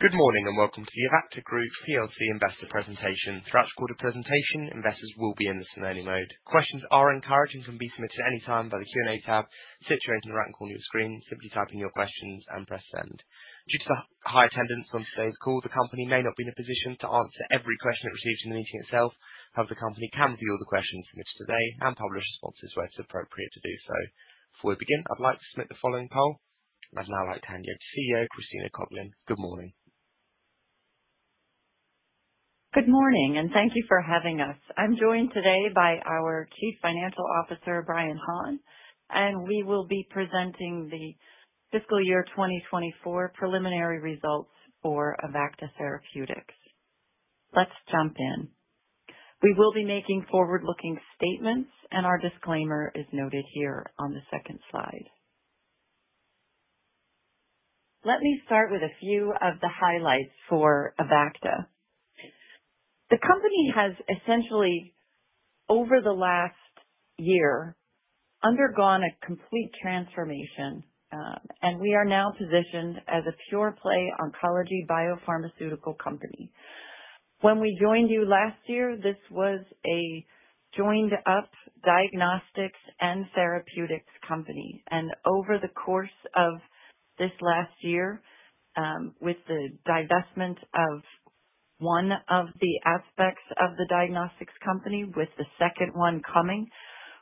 Good morning and welcome to the Avacta Group investor presentation. Throughout the call to presentation, investors will be in the scenario mode. Questions are encouraged and can be submitted at any time by the Q&A tab, situated in the right corner of your screen. Simply type in your questions and press send. Due to the high attendance on today's call, the company may not be in a position to answer every question it receives in the meeting itself. However, the company can review all the questions submitted today and publish responses where it is appropriate to do so. Before we begin, I would like to submit the following poll. I would now like to hand you over to CEO Christina Coughlin. Good morning. Good morning, and thank you for having us. I'm joined today by our Chief Financial Officer, Brian Hahn, and we will be presenting the fiscal year 2024 preliminary results for Avacta Group. Let's jump in. We will be making forward-looking statements, and our disclaimer is noted here on the second slide. Let me start with a few of the highlights for Avacta. The company has essentially, over the last year, undergone a complete transformation, and we are now positioned as a pure-play oncology biopharmaceutical company. When we joined you last year, this was a joined-up diagnostics and therapeutics company. Over the course of this last year, with the divestment of one of the aspects of the diagnostics company, with the second one coming,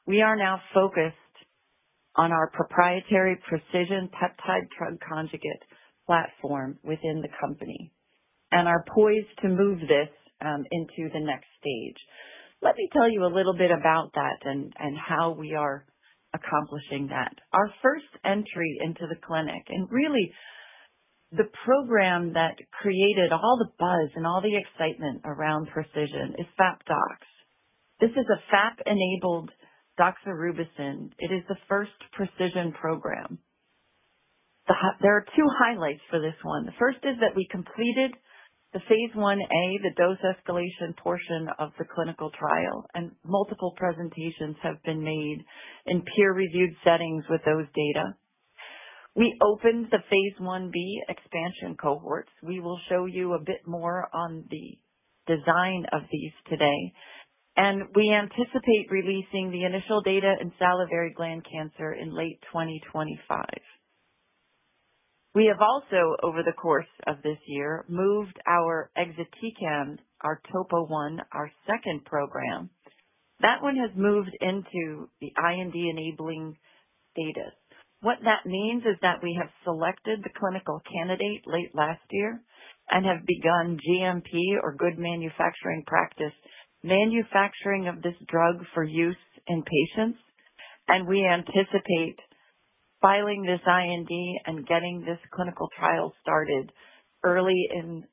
we are now focused on our proprietary precision peptide drug conjugate platform within the company and are poised to move this into the next stage. Let me tell you a little bit about that and how we are accomplishing that. Our first entry into the clinic, and really the program that created all the buzz and all the excitement around precision, is FAPDOX. This is a FAP-enabled doxorubicin. It is the first precision program. There are two highlights for this one. The first is that we completed the phase 1A, the dose escalation portion of the clinical trial, and multiple presentations have been made in peer-reviewed settings with those data. We opened the phase 1B expansion cohorts. We will show you a bit more on the design of these today, and we anticipate releasing the initial data in salivary gland cancer in late 2025. We have also, over the course of this year, moved our Exatecan, our Topo 1, our second program. That one has moved into the IND-enabling status. What that means is that we have selected the clinical candidate late last year and have begun GMP, or good manufacturing practice, manufacturing of this drug for use in patients, and we anticipate filing this IND and getting this clinical trial started early in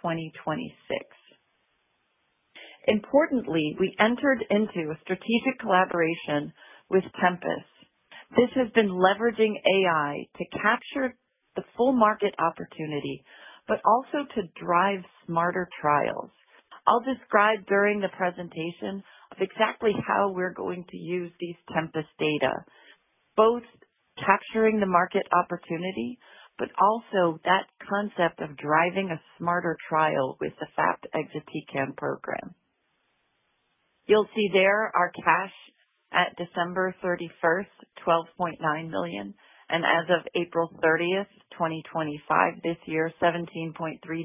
2026. Importantly, we entered into a strategic collaboration with Tempus. This has been leveraging AI to capture the full market opportunity, but also to drive smarter trials. I'll describe during the presentation exactly how we're going to use these Tempus data, both capturing the market opportunity, but also that concept of driving a smarter trial with the FAP Exatecan program. You'll see there our cash at December 31, 12.9 million, and as of April 30, 2025, this year, 17.3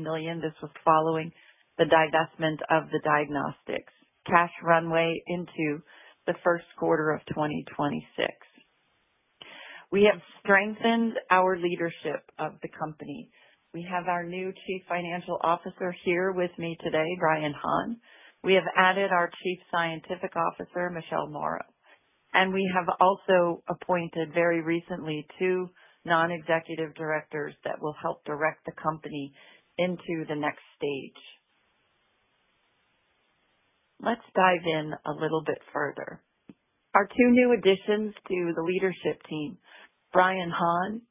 million. This was following the divestment of the diagnostics cash runway into the first quarter of 2026. We have strengthened our leadership of the company. We have our new Chief Financial Officer here with me today, Brian Hahn. We have added our Chief Scientific Officer, Michelle Morrow, and we have also appointed very recently two non-executive directors that will help direct the company into the next stage. Let's dive in a little bit further. Our two new additions to the leadership team, Brian Hahn,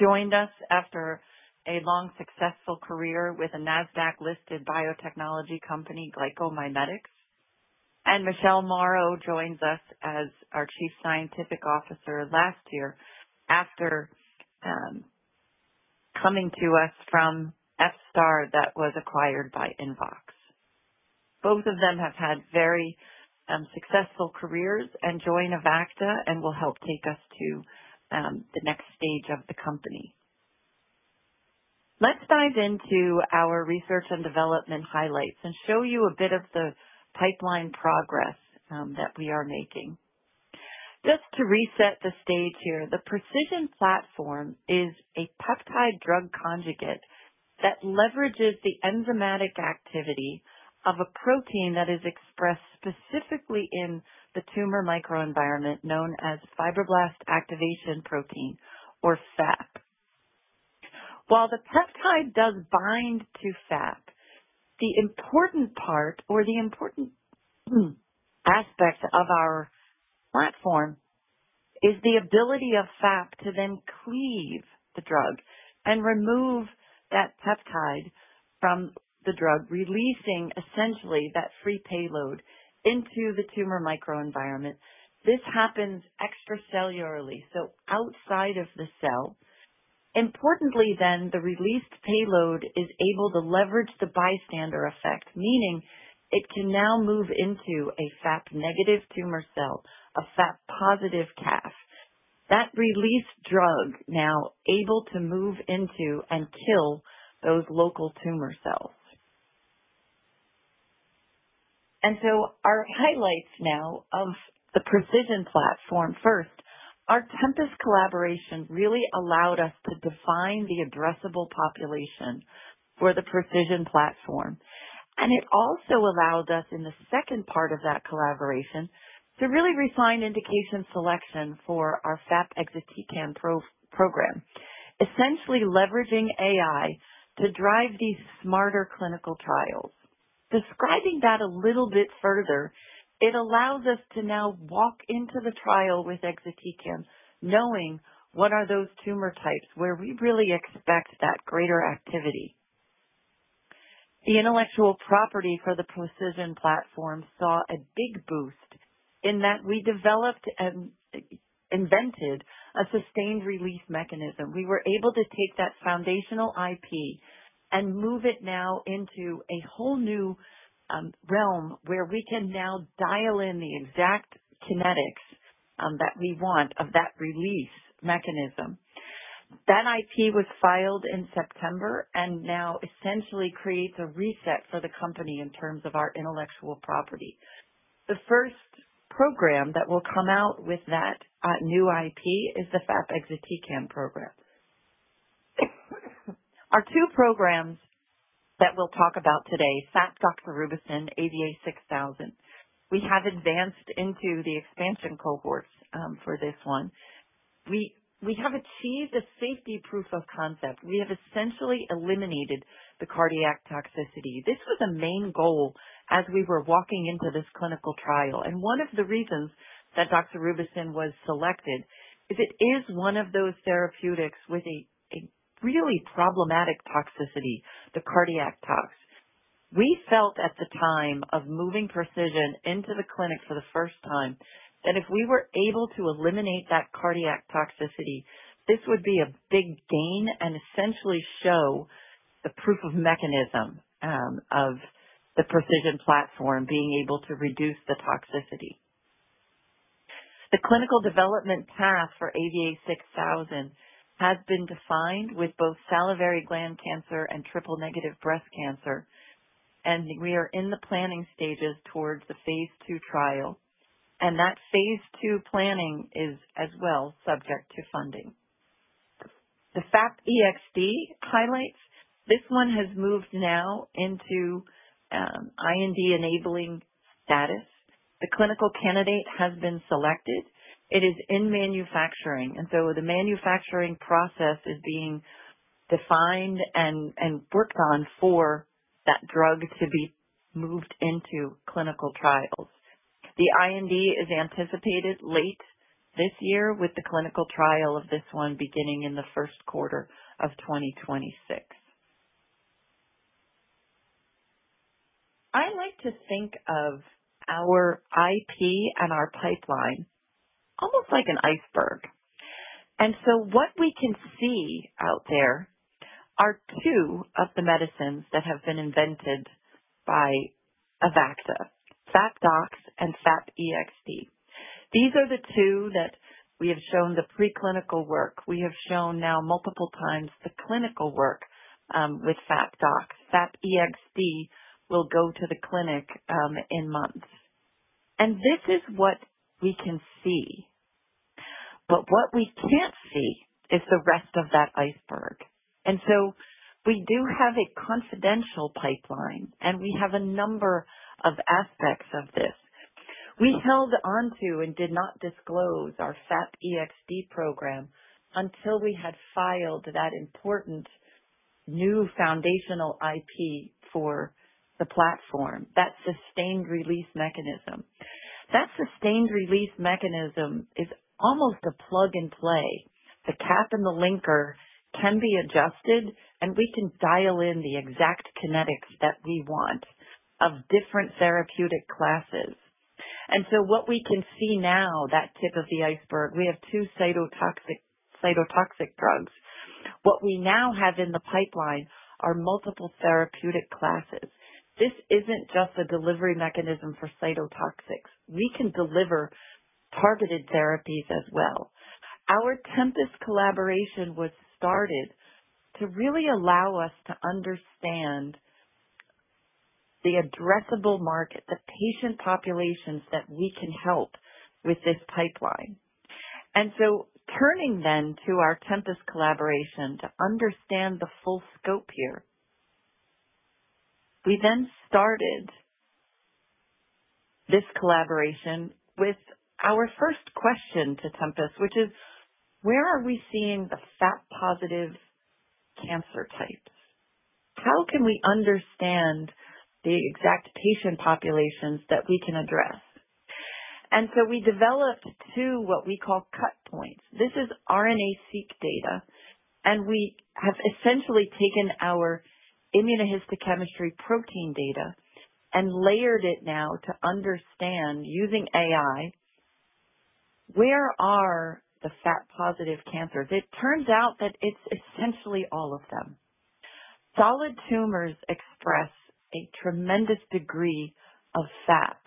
joined us after a long successful career with a NASDAQ-listed biotechnology company, GlycoMimetics, and Michelle Morrow joins us as our Chief Scientific Officer last year after coming to us from F-Star that was acquired by invoX. Both of them have had very successful careers and join Avacta and will help take us to the next stage of the company. Let's dive into our research and development highlights and show you a bit of the pipeline progress that we are making. Just to reset the stage here, the precision platform is a peptide drug conjugate that leverages the enzymatic activity of a protein that is expressed specifically in the tumor microenvironment known as fibroblast activation protein, or FAP. While the peptide does bind to FAP, the important part, or the important aspect of our platform, is the ability of FAP to then cleave the drug and remove that peptide from the drug, releasing essentially that free payload into the tumor microenvironment. This happens extracellularly, so outside of the cell. Importantly then, the released payload is able to leverage the bystander effect, meaning it can now move into a FAP-negative tumor cell, a FAP-positive CAF. That released drug is now able to move into and kill those local tumor cells. Our highlights now of the precision platform, first, our Tempus collaboration really allowed us to define the addressable population for the precision platform, and it also allowed us in the second part of that collaboration to really refine indication selection for our FAP Exatecan program, essentially leveraging AI to drive these smarter clinical trials. Describing that a little bit further, it allows us to now walk into the trial with Exatecan knowing what are those tumor types where we really expect that greater activity. The intellectual property for the precision platform saw a big boost in that we developed and invented a sustained release mechanism. We were able to take that foundational IP and move it now into a whole new realm where we can now dial in the exact kinetics that we want of that release mechanism. That IP was filed in September and now essentially creates a reset for the company in terms of our intellectual property. The first program that will come out with that new IP is the FAP Exatecan program. Our two programs that we'll talk about today, FAPDOX, ABA 6000, we have advanced into the expansion cohorts for this one. We have achieved a safety proof of concept. We have essentially eliminated the cardiac toxicity. This was a main goal as we were walking into this clinical trial, and one of the reasons that doxorubicin was selected is it is one of those therapeutics with a really problematic toxicity, the cardiac tox. We felt at the time of moving pre|CISION into the clinic for the first time that if we were able to eliminate that cardiac toxicity, this would be a big gain and essentially show the proof of mechanism of the pre|CISION platform being able to reduce the toxicity. The clinical development path for AVA6000 has been defined with both salivary gland cancer and triple-negative breast cancer, and we are in the planning stages towards the phase 2 trial, and that phase 2 planning is as well subject to funding. The AVA6103 highlights this one has moved now into IND-enabling status. The clinical candidate has been selected. It is in manufacturing, and the manufacturing process is being defined and worked on for that drug to be moved into clinical trials. The IND is anticipated late this year with the clinical trial of this one beginning in the first quarter of 2026. I like to think of our IP and our pipeline almost like an iceberg, and what we can see out there are two of the medicines that have been invented by Avacta: FAPDOX and FAP-EXD. These are the two that we have shown the preclinical work. We have shown now multiple times the clinical work with FAPDOX. FAP-EXD will go to the clinic in months, and this is what we can see, but what we cannot see is the rest of that iceberg. We do have a confidential pipeline, and we have a number of aspects of this. We held onto and did not disclose our FAP-EXD program until we had filed that important new foundational IP for the platform, that sustained release mechanism. That sustained release mechanism is almost a plug-and-play. The cap and the linker can be adjusted, and we can dial in the exact kinetics that we want of different therapeutic classes. What we can see now, that tip of the iceberg, we have two cytotoxic drugs. What we now have in the pipeline are multiple therapeutic classes. This isn't just a delivery mechanism for cytotoxics. We can deliver targeted therapies as well. Our Tempus collaboration was started to really allow us to understand the addressable market, the patient populations that we can help with this pipeline. Turning then to our Tempus collaboration to understand the full scope here, we then started this collaboration with our first question to Tempus, which is, where are we seeing the FAP-positive cancer types? How can we understand the exact patient populations that we can address? We developed two what we call cut points. This is RNA-seq data, and we have essentially taken our immunohistochemistry protein data and layered it now to understand, using AI, where are the FAP-positive cancers? It turns out that it is essentially all of them. Solid tumors express a tremendous degree of FAP,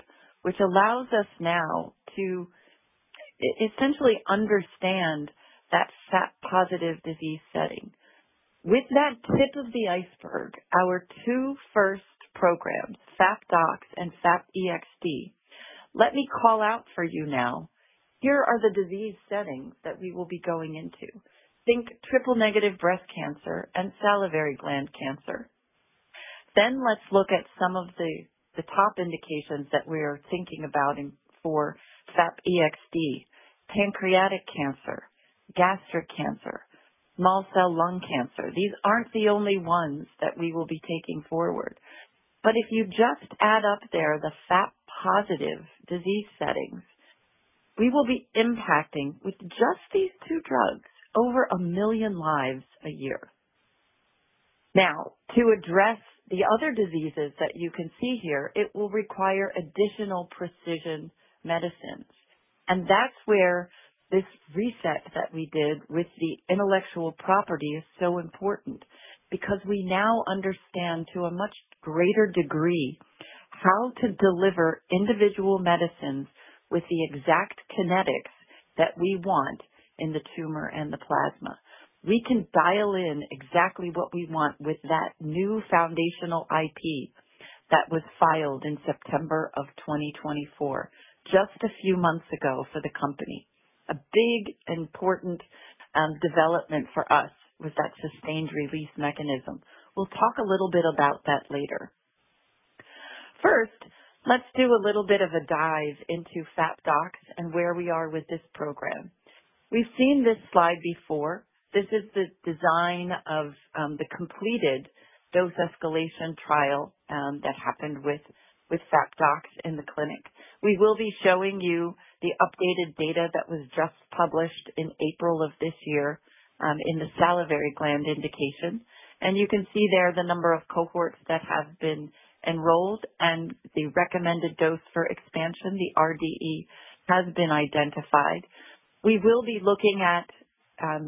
which allows us now to essentially understand that FAP-positive disease setting. With that tip of the iceberg, our two first programs, FAPDOX and FAP-EXD, let me call out for you now, here are the disease settings that we will be going into. Think triple-negative breast cancer and salivary gland cancer. Let us look at some of the top indications that we are thinking about for FAP-EXD: pancreatic cancer, gastric cancer, small cell lung cancer. These aren't the only ones that we will be taking forward, but if you just add up there the FAP-positive disease settings, we will be impacting with just these two drugs over 1 million lives a year. Now, to address the other diseases that you can see here, it will require additional precision medicines, and that's where this reset that we did with the intellectual property is so important because we now understand to a much greater degree how to deliver individual medicines with the exact kinetics that we want in the tumor and the plasma. We can dial in exactly what we want with that new foundational IP that was filed in September of 2024, just a few months ago for the company. A big important development for us was that sustained release mechanism. We'll talk a little bit about that later. First, let's do a little bit of a dive into FAPDOX and where we are with this program. We've seen this slide before. This is the design of the completed dose escalation trial that happened with FAPDOX in the clinic. We will be showing you the updated data that was just published in April of this year in the salivary gland indication, and you can see there the number of cohorts that have been enrolled and the recommended dose for expansion, the RDE, has been identified. We will be looking at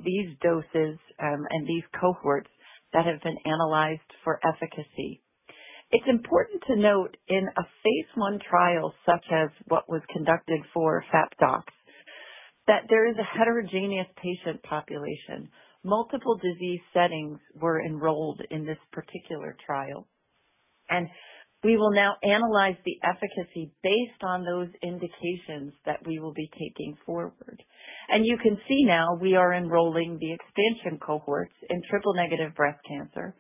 these doses and these cohorts that have been analyzed for efficacy. It's important to note in a phase 1 trial such as what was conducted for FAPDOX that there is a heterogeneous patient population. Multiple disease settings were enrolled in this particular trial, and we will now analyze the efficacy based on those indications that we will be taking forward. You can see now we are enrolling the expansion cohorts in triple-negative breast cancer,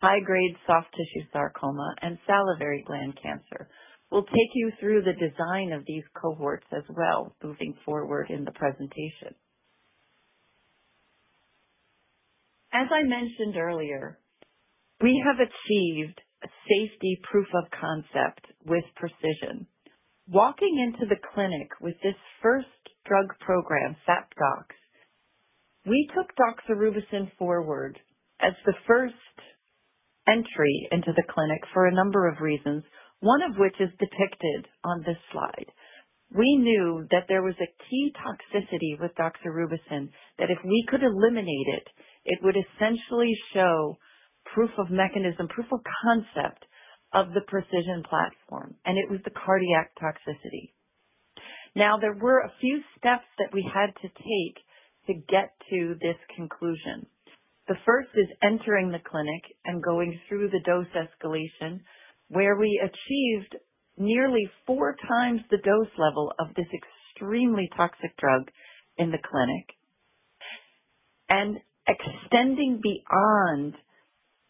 high-grade soft tissue sarcoma, and salivary gland cancer. We'll take you through the design of these cohorts as well moving forward in the presentation. As I mentioned earlier, we have achieved a safety proof of concept with pre|CISION. Walking into the clinic with this first drug program, FAPDOX, we took doxorubicin forward as the first entry into the clinic for a number of reasons, one of which is depicted on this slide. We knew that there was a key toxicity with doxorubicin that if we could eliminate it, it would essentially show proof of mechanism, proof of concept of the pre|CISION platform, and it was the cardiac toxicity. Now, there were a few steps that we had to take to get to this conclusion. The first is entering the clinic and going through the dose escalation where we achieved nearly four times the dose level of this extremely toxic drug in the clinic and extending beyond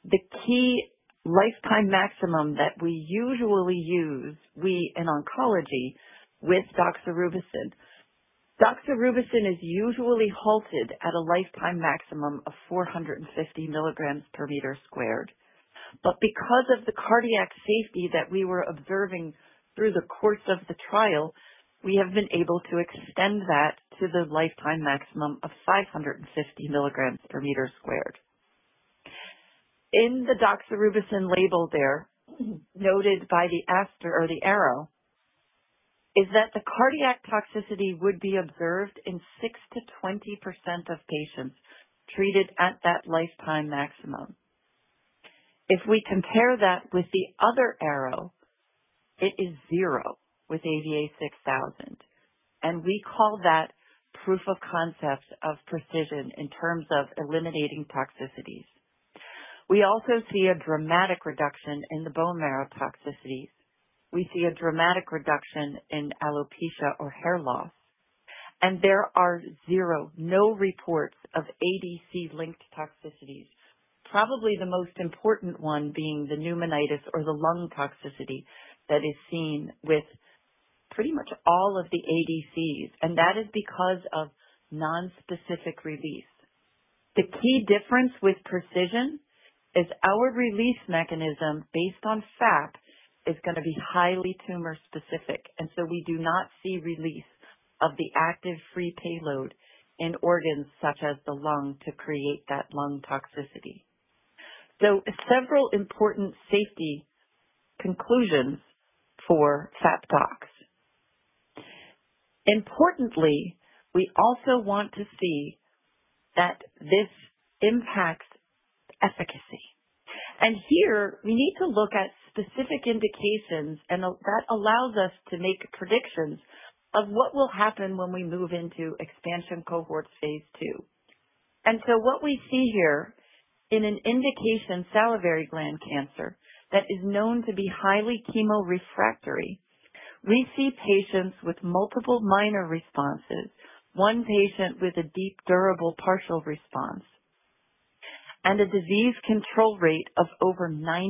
the key lifetime maximum that we usually use, we in oncology, with doxorubicin. Doxorubicin is usually halted at a lifetime maximum of 450 mg per meter squared, but because of the cardiac safety that we were observing through the course of the trial, we have been able to extend that to the lifetime maximum of 550 mg per meter squared. In the doxorubicin label there, noted by the arrow, is that the cardiac toxicity would be observed in 6-20% of patients treated at that lifetime maximum. If we compare that with the other arrow, it is zero with ABA 6000, and we call that proof of concept of precision in terms of eliminating toxicities. We also see a dramatic reduction in the bone marrow toxicities. We see a dramatic reduction in alopecia or hair loss, and there are zero, no reports of ADC-linked toxicities, probably the most important one being the pneumonitis or the lung toxicity that is seen with pretty much all of the ADCs, and that is because of nonspecific release. The key difference with precision is our release mechanism based on FAP is going to be highly tumor specific, and we do not see release of the active free payload in organs such as the lung to create that lung toxicity. Several important safety conclusions for FAPDOX. Importantly, we also want to see that this impacts efficacy, and here we need to look at specific indications, and that allows us to make predictions of what will happen when we move into expansion cohorts phase 2. What we see here in an indication, salivary gland cancer, that is known to be highly chemorefractory, we see patients with multiple minor responses, one patient with a deep durable partial response, and a disease control rate of over 90%.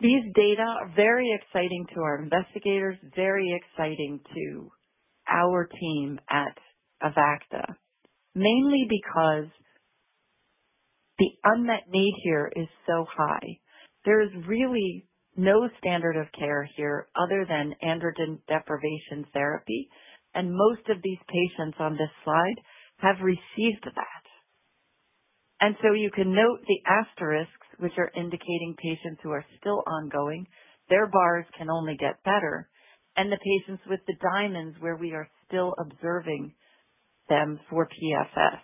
These data are very exciting to our investigators, very exciting to our team at Avacta, mainly because the unmet need here is so high. There is really no standard of care here other than androgen deprivation therapy, and most of these patients on this slide have received that. You can note the asterisks, which are indicating patients who are still ongoing. Their bars can only get better, and the patients with the diamonds where we are still observing them for PFS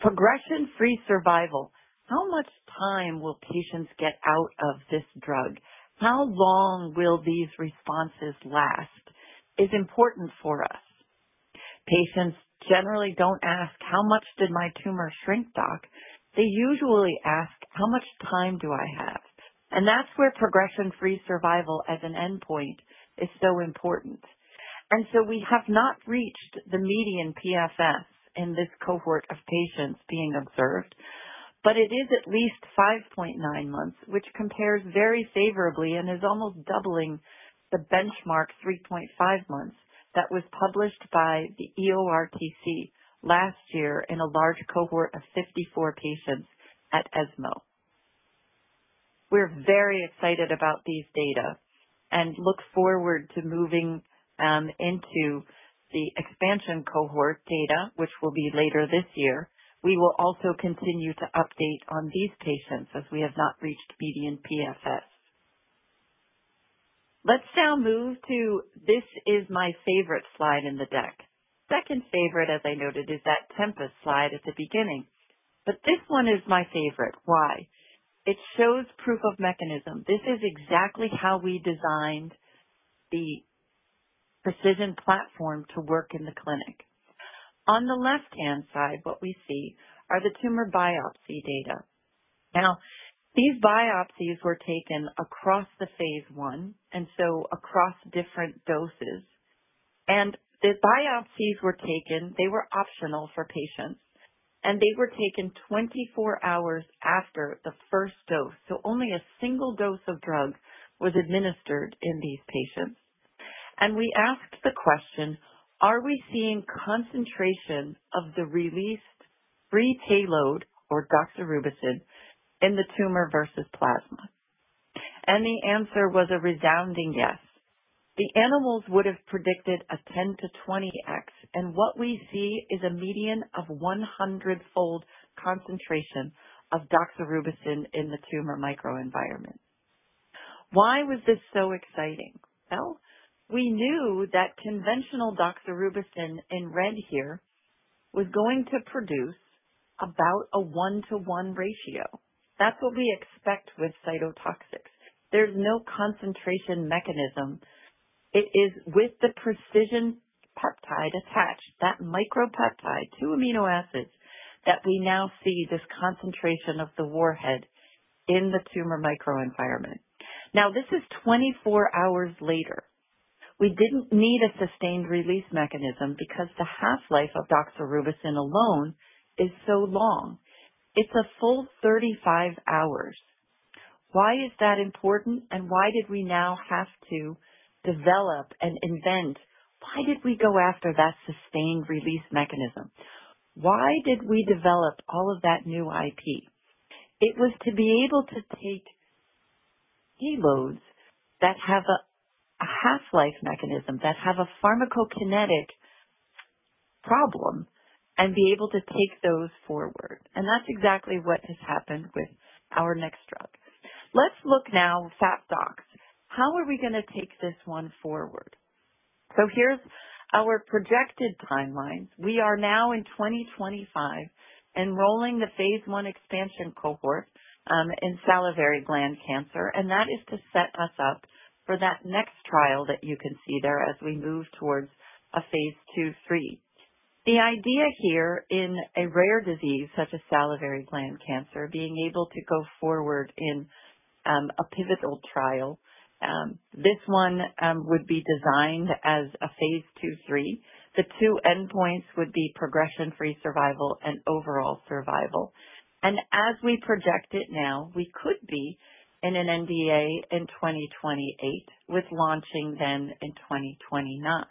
progression-free survival, how much time will patients get out of this drug? How long will these responses last is important for us. Patients generally don't ask, "How much did my tumor shrink, Doc?" They usually ask, "How much time do I have?" That is where progression-free survival as an endpoint is so important. We have not reached the median PFS in this cohort of patients being observed, but it is at least 5.9 months, which compares very favorably and is almost doubling the benchmark 3.5 months that was published by the EORTC last year in a large cohort of 54 patients at ESMO. We are very excited about these data and look forward to moving into the expansion cohort data, which will be later this year. We will also continue to update on these patients as we have not reached median PFS. Let's now move to, this is my favorite slide in the deck. Second favorite, as I noted, is that Tempus slide at the beginning, but this one is my favorite. Why? It shows proof of mechanism. This is exactly how we designed the precision platform to work in the clinic. On the left-hand side, what we see are the tumor biopsy data. Now, these biopsies were taken across the phase 1 and so across different doses, and the biopsies were taken, they were optional for patients, and they were taken 24 hours after the first dose. Only a single dose of drug was administered in these patients, and we asked the question, "Are we seeing concentration of the released free payload or doxorubicin in the tumor versus plasma?" The answer was a resounding yes. The animals would have predicted a 10-20x, and what we see is a median of 100-fold concentration of doxorubicin in the tumor microenvironment. Why was this so exciting? We knew that conventional doxorubicin in red here was going to produce about a one-to-one ratio. That's what we expect with cytotoxics. There's no concentration mechanism. It is with the precision peptide attached, that micropeptide to amino acids, that we now see this concentration of the warhead in the tumor microenvironment. This is 24 hours later. We did not need a sustained release mechanism because the half-life of doxorubicin alone is so long. It's a full 35 hours. Why is that important, and why did we now have to develop and invent? Why did we go after that sustained release mechanism? Why did we develop all of that new IP? It was to be able to take payloads that have a half-life mechanism, that have a pharmacokinetic problem, and be able to take those forward, and that's exactly what has happened with our next drug. Let's look now at FAPDOX. How are we going to take this one forward? Here are our projected timelines. We are now in 2025 enrolling the phase 1 expansion cohort in salivary gland cancer, and that is to set us up for that next trial that you can see there as we move towards a phase 2, 3. The idea here in a rare disease such as salivary gland cancer, being able to go forward in a pivotal trial, this one would be designed as a phase 2, 3. The two endpoints would be progression-free survival and overall survival, and as we project it now, we could be in an NDA in 2028 with launching then in 2029.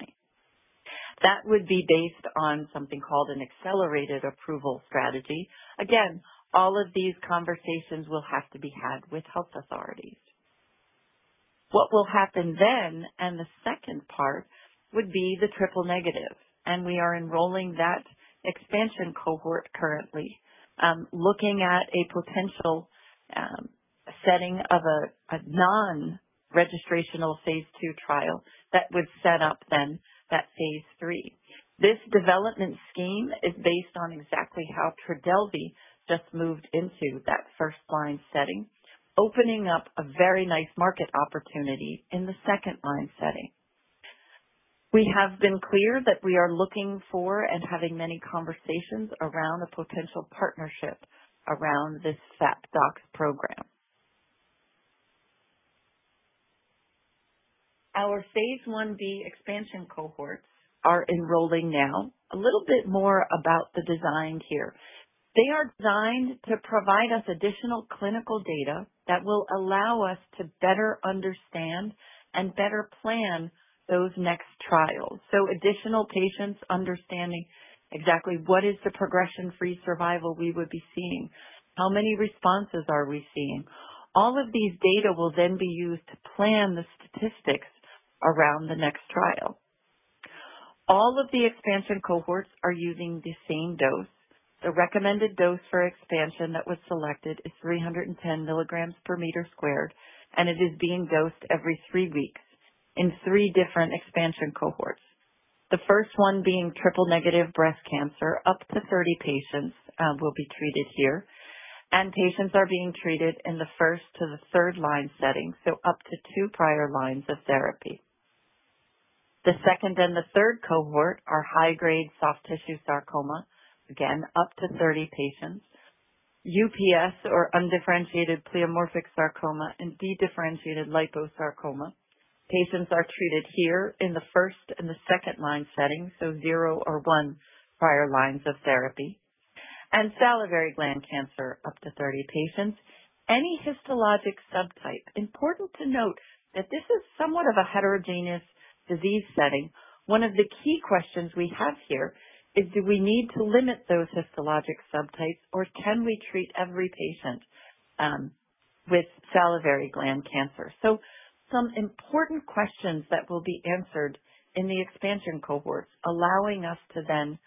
That would be based on something called an accelerated approval strategy. Again, all of these conversations will have to be had with health authorities. What will happen then, and the second part, would be the triple negative, and we are enrolling that expansion cohort currently, looking at a potential setting of a non-registrational phase 2 trial that would set up then that phase 3. This development scheme is based on exactly how Trodelvy just moved into that first-line setting, opening up a very nice market opportunity in the second-line setting. We have been clear that we are looking for and having many conversations around a potential partnership around this FAPDOX program. Our phase 1B expansion cohorts are enrolling now. A little bit more about the design here. They are designed to provide us additional clinical data that will allow us to better understand and better plan those next trials. Additional patients understanding exactly what is the progression-free survival we would be seeing, how many responses are we seeing. All of these data will then be used to plan the statistics around the next trial. All of the expansion cohorts are using the same dose. The recommended dose for expansion that was selected is 310 mg per meter squared, and it is being dosed every three weeks in three different expansion cohorts. The first one being triple negative breast cancer, up to 30 patients will be treated here, and patients are being treated in the first to the third-line setting, so up to two prior lines of therapy. The second and the third cohort are high-grade soft tissue sarcoma, again up to 30 patients, UPS or undifferentiated pleomorphic sarcoma and dedifferentiated liposarcoma. Patients are treated here in the first and the second-line setting, so zero or one prior lines of therapy, and salivary gland cancer, up to 30 patients. Any histologic subtype, important to note that this is somewhat of a heterogeneous disease setting. One of the key questions we have here is, do we need to limit those histologic subtypes, or can we treat every patient with salivary gland cancer? Some important questions that will be answered in the expansion cohorts, allowing us to then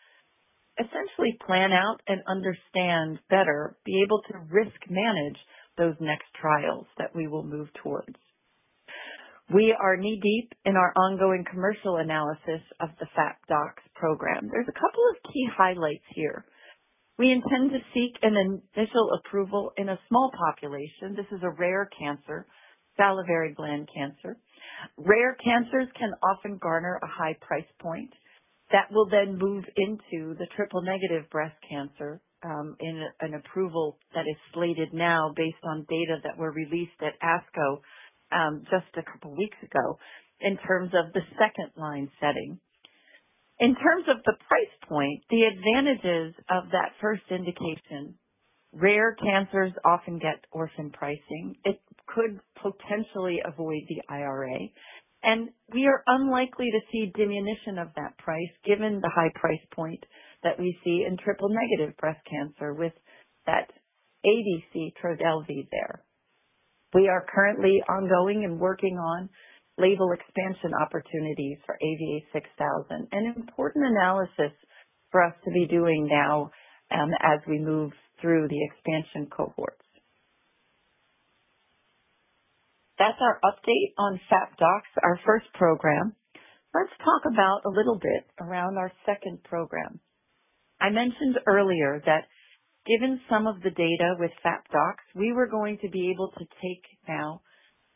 essentially plan out and understand better, be able to risk manage those next trials that we will move towards. We are knee-deep in our ongoing commercial analysis of the FAPDOX program. There's a couple of key highlights here. We intend to seek an initial approval in a small population. This is a rare cancer, salivary gland cancer. Rare cancers can often garner a high price point that will then move into the triple negative breast cancer in an approval that is slated now based on data that were released at ASCO just a couple of weeks ago in terms of the second-line setting. In terms of the price point, the advantages of that first indication, rare cancers often get orphan pricing. It could potentially avoid the IRA, and we are unlikely to see diminution of that price given the high price point that we see in triple negative breast cancer with that ADC Trodelvy there. We are currently ongoing and working on label expansion opportunities for ABA 6000, an important analysis for us to be doing now as we move through the expansion cohorts. That is our update on FAPDOX, our first program. Let's talk about a little bit around our second program. I mentioned earlier that given some of the data with FAPDOX, we were going to be able to take now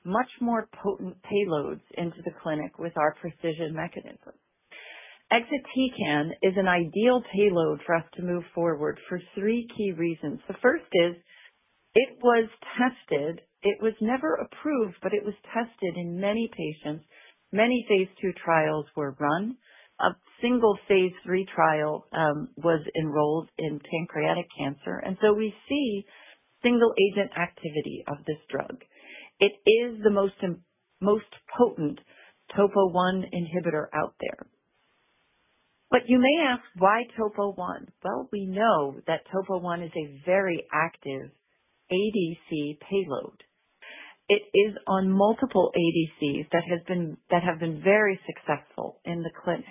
much more potent payloads into the clinic with our precision mechanism. Exatecan is an ideal payload for us to move forward for three key reasons. The first is it was tested. It was never approved, but it was tested in many patients. Many phase 2 trials were run. A single phase 3 trial was enrolled in pancreatic cancer, and so we see single-agent activity of this drug. It is the most potent Topo 1 inhibitor out there. You may ask, why Topo 1? You know, we know that Topo 1 is a very active ADC payload. It is on multiple ADCs that have been very successful in the clinic.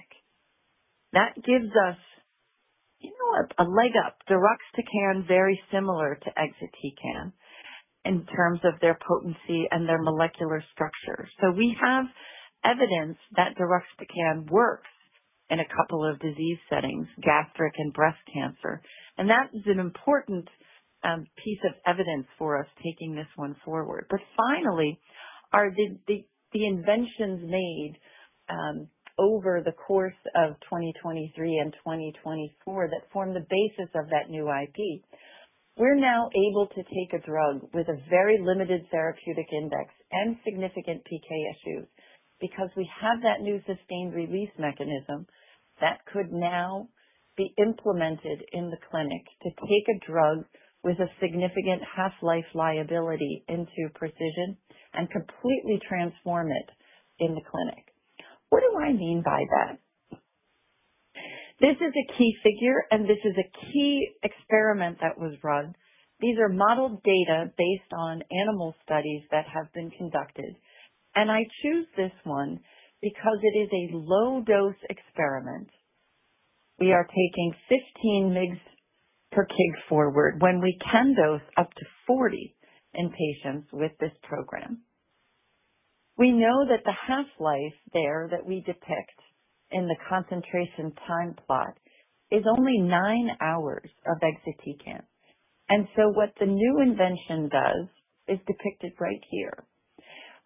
That gives us, you know, a leg up. Deruxtecan, very similar to Exatecan in terms of their potency and their molecular structure. We have evidence that Deruxtecan works in a couple of disease settings, gastric and breast cancer, and that is an important piece of evidence for us taking this one forward. Finally, are the inventions made over the course of 2023 and 2024 that form the basis of that new IP? We're now able to take a drug with a very limited therapeutic index and significant PK issues because we have that new sustained release mechanism that could now be implemented in the clinic to take a drug with a significant half-life liability into precision and completely transform it in the clinic. What do I mean by that? This is a key figure, and this is a key experiment that was run. These are modeled data based on animal studies that have been conducted, and I choose this one because it is a low-dose experiment. We are taking 15 mg per kg forward when we can dose up to 40 in patients with this program. We know that the half-life there that we depict in the concentration time plot is only nine hours of Exatecan, and so what the new invention does is depicted right here.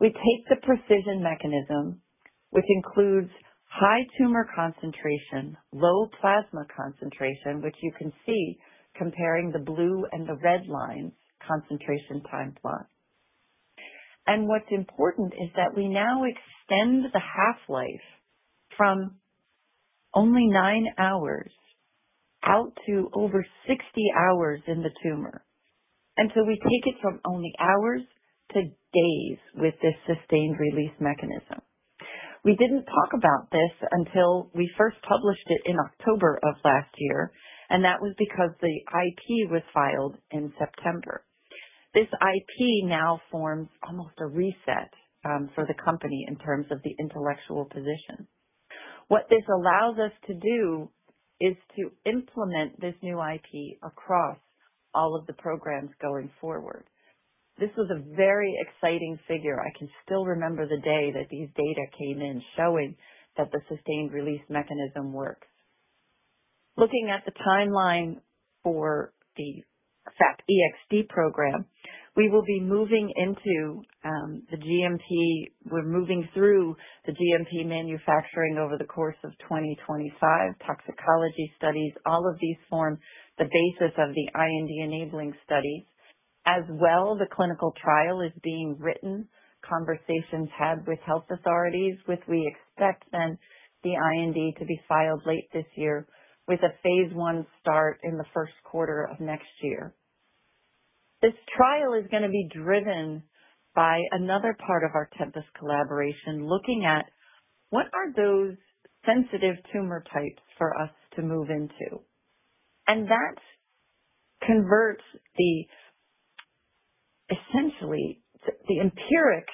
We take the precision mechanism, which includes high tumor concentration, low plasma concentration, which you can see comparing the blue and the red lines concentration time plot. What's important is that we now extend the half-life from only nine hours out to over 60 hours in the tumor, and we take it from only hours to days with this sustained release mechanism. We did not talk about this until we first published it in October of last year, and that was because the IP was filed in September. This IP now forms almost a reset for the company in terms of the intellectual position. What this allows us to do is to implement this new IP across all of the programs going forward. This was a very exciting figure. I can still remember the day that these data came in showing that the sustained release mechanism works. Looking at the timeline for the FAP-EXD program, we will be moving into the GMP. We're moving through the GMP manufacturing over the course of 2025. Toxicology studies, all of these form the basis of the IND enabling studies. As well, the clinical trial is being written, conversations had with health authorities, with we expect then the IND to be filed late this year with a phase I start in the first quarter of next year. This trial is going to be driven by another part of our Tempus collaboration, looking at what are those sensitive tumor types for us to move into, and that converts the essentially the empiric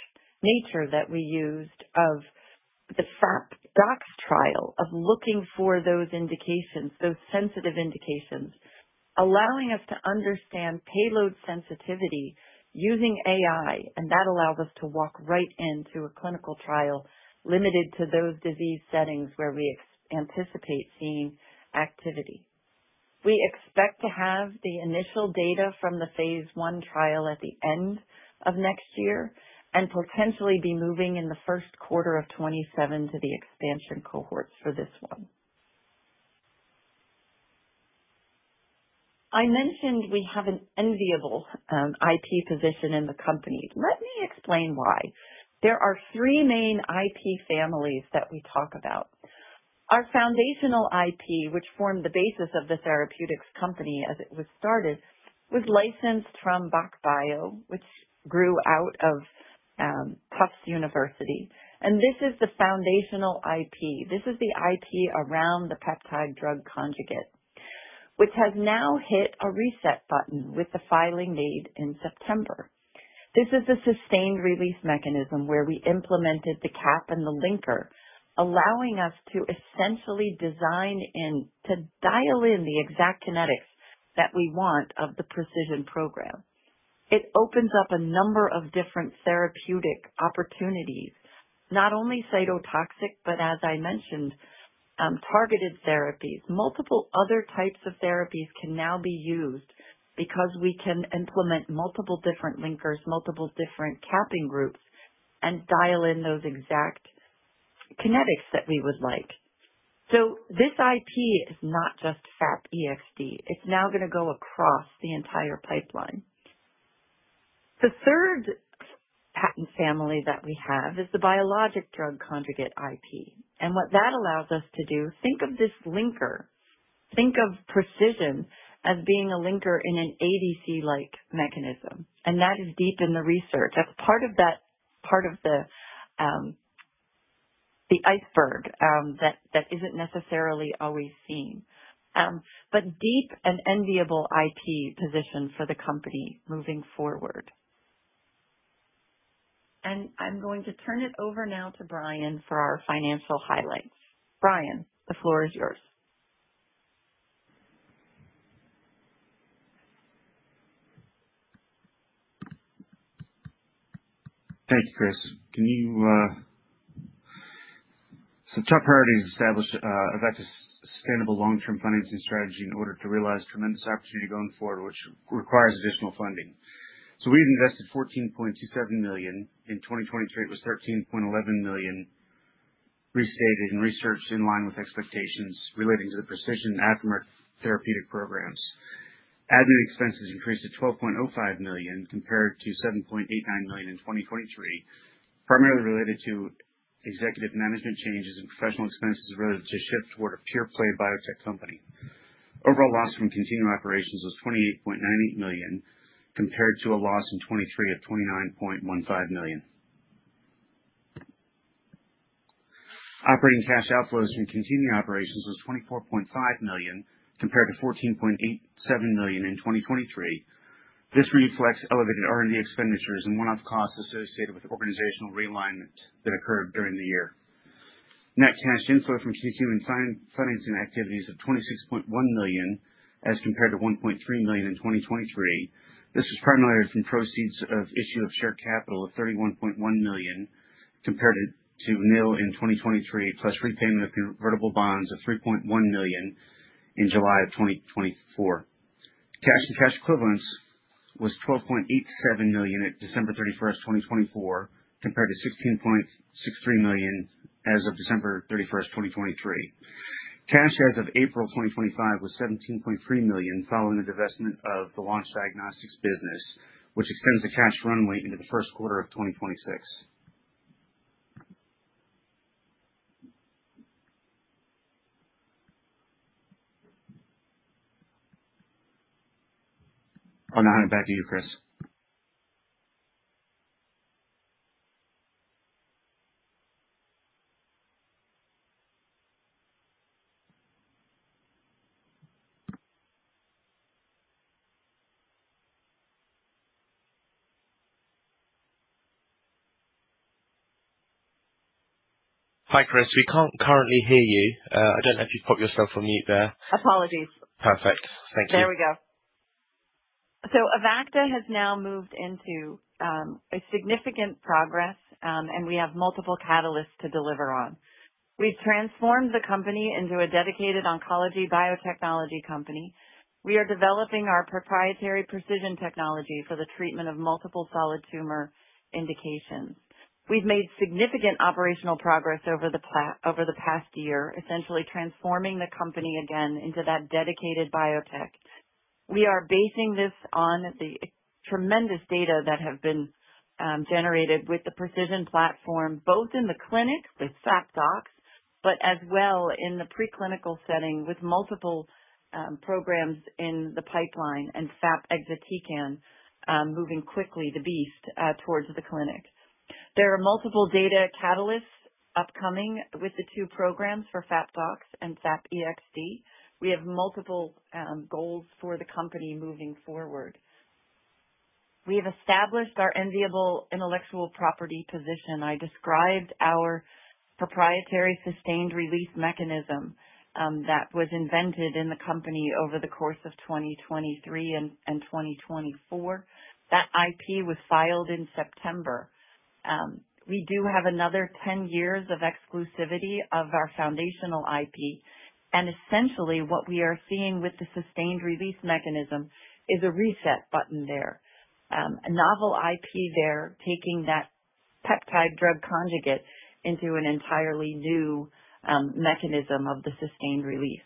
nature that we used of the FAPDOX trial of looking for those indications, those sensitive indications, allowing us to understand payload sensitivity using AI, and that allows us to walk right into a clinical trial limited to those disease settings where we anticipate seeing activity. We expect to have the initial data from the phase 1 trial at the end of next year and potentially be moving in the first quarter of 2027 to the expansion cohorts for this one. I mentioned we have an enviable IP position in the company. Let me explain why. There are three main IP families that we talk about. Our foundational IP, which formed the basis of the therapeutics company as it was started, was licensed from Bac Bio, which grew out of Tufts University, and this is the foundational IP. This is the IP around the peptide drug conjugate, which has now hit a reset button with the filing date in September. This is the sustained release mechanism where we implemented the cap and the linker, allowing us to essentially design in to dial in the exact kinetics that we want of the precision program. It opens up a number of different therapeutic opportunities, not only cytotoxic, but as I mentioned, targeted therapies. Multiple other types of therapies can now be used because we can implement multiple different linkers, multiple different capping groups, and dial in those exact kinetics that we would like. This IP is not just FAP-EXD. It's now going to go across the entire pipeline. The third patent family that we have is the biologic drug conjugate IP, and what that allows us to do, think of this linker, think of precision as being a linker in an ADC-like mechanism, and that is deep in the research. That's part of that, part of the iceberg that isn't necessarily always seen, but deep and enviable IP position for the company moving forward. I'm going to turn it over now to Brian for our financial highlights. Brian, the floor is yours. Thank you, Chris. Can you so top priority is to establish Avacta sustainable long-term financing strategy in order to realize tremendous opportunity going forward, which requires additional funding. We've invested 14.27 million in 2023. It was 13.11 million restated and researched in line with expectations relating to the precision and aftermarket therapeutic programs. Admin expenses increased to 12.05 million compared to 7.89 million in 2023, primarily related to executive management changes and professional expenses related to shift toward a pure-play biotech company. Overall loss from continuing operations was 28.98 million compared to a loss in 2023 of 29.15 million. Operating cash outflows from continuing operations was 24.5 million compared to 14.87 million in 2023. This reflects elevated R&D expenditures and one-off costs associated with organizational realignment that occurred during the year. Net cash inflow from continuing financing activities of 26.1 million as compared to 1.3 million in 2023. This was primarily from proceeds of issue of share capital of 31.1 million compared to nil in 2023, plus repayment of convertible bonds of 3.1 million in July of 2024. Cash and cash equivalents was 12.87 million at December 31st, 2024, compared to 16.63 million as of December 31st, 2023. Cash as of April 2025 was 17.3 million following the divestment of the Launch Diagnostics business, which extends the cash runway into the first quarter of 2026. I'll now hand it back to you, Chris. Hi, Chris. We can't currently hear you. I don't know if you've popped yourself on mute there. Apologies. Perfect. Thank you. There we go. Avacta has now moved into significant progress, and we have multiple catalysts to deliver on. We have transformed the company into a dedicated oncology biotechnology company. We are developing our proprietary precision technology for the treatment of multiple solid tumor indications. We have made significant operational progress over the past year, essentially transforming the company again into that dedicated biotech. We are basing this on the tremendous data that have been generated with the precision platform, both in the clinic with FAPDOX, but as well in the preclinical setting with multiple programs in the pipeline and FAP-Exatecan moving quickly, the beast towards the clinic. There are multiple data catalysts upcoming with the two programs for FAPDOX and FAP-EXD. We have multiple goals for the company moving forward. We have established our enviable intellectual property position. I described our proprietary sustained release mechanism that was invented in the company over the course of 2023 and 2024. That IP was filed in September. We do have another 10 years of exclusivity of our foundational IP, and essentially what we are seeing with the sustained release mechanism is a reset button there, a novel IP there taking that peptide drug conjugate into an entirely new mechanism of the sustained release.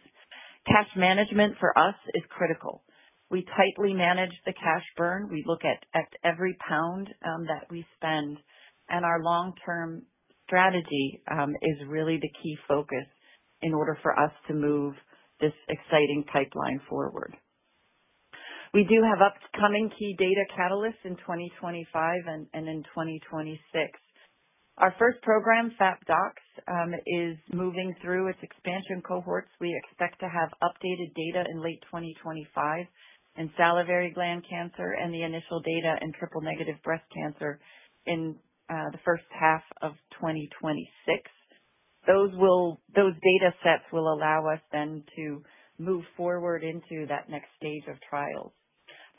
Cash management for us is critical. We tightly manage the cash burn. We look at every pound that we spend, and our long-term strategy is really the key focus in order for us to move this exciting pipeline forward. We do have upcoming key data catalysts in 2025 and in 2026. Our first program, FAPDOX, is moving through its expansion cohorts. We expect to have updated data in late 2025 in salivary gland cancer and the initial data in triple-negative breast cancer in the first half of 2026. Those data sets will allow us then to move forward into that next stage of trials.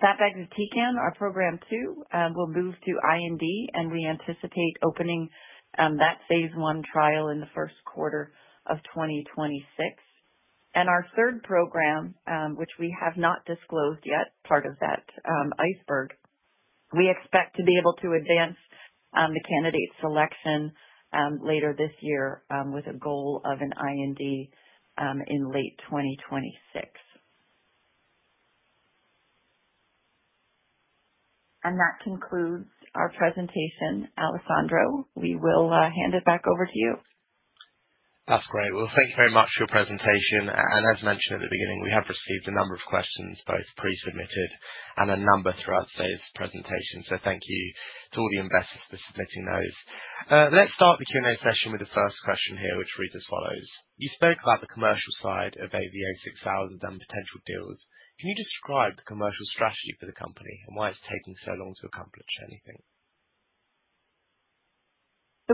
FAP-Exatecan, our program two, will move to IND, and we anticipate opening that phase I trial in the first quarter of 2026. Our third program, which we have not disclosed yet, part of that iceberg, we expect to be able to advance the candidate selection later this year with a goal of an IND in late 2026. That concludes our presentation, Alessandro. We will hand it back over to you. That's great. Thank you very much for your presentation. As mentioned at the beginning, we have received a number of questions, both pre-submitted and a number throughout today's presentation. Thank you to all the investors for submitting those. Let's start the Q&A session with the first question here, which reads as follows. You spoke about the commercial side of AVA6000 and potential deals. Can you describe the commercial strategy for the company and why it's taking so long to accomplish anything?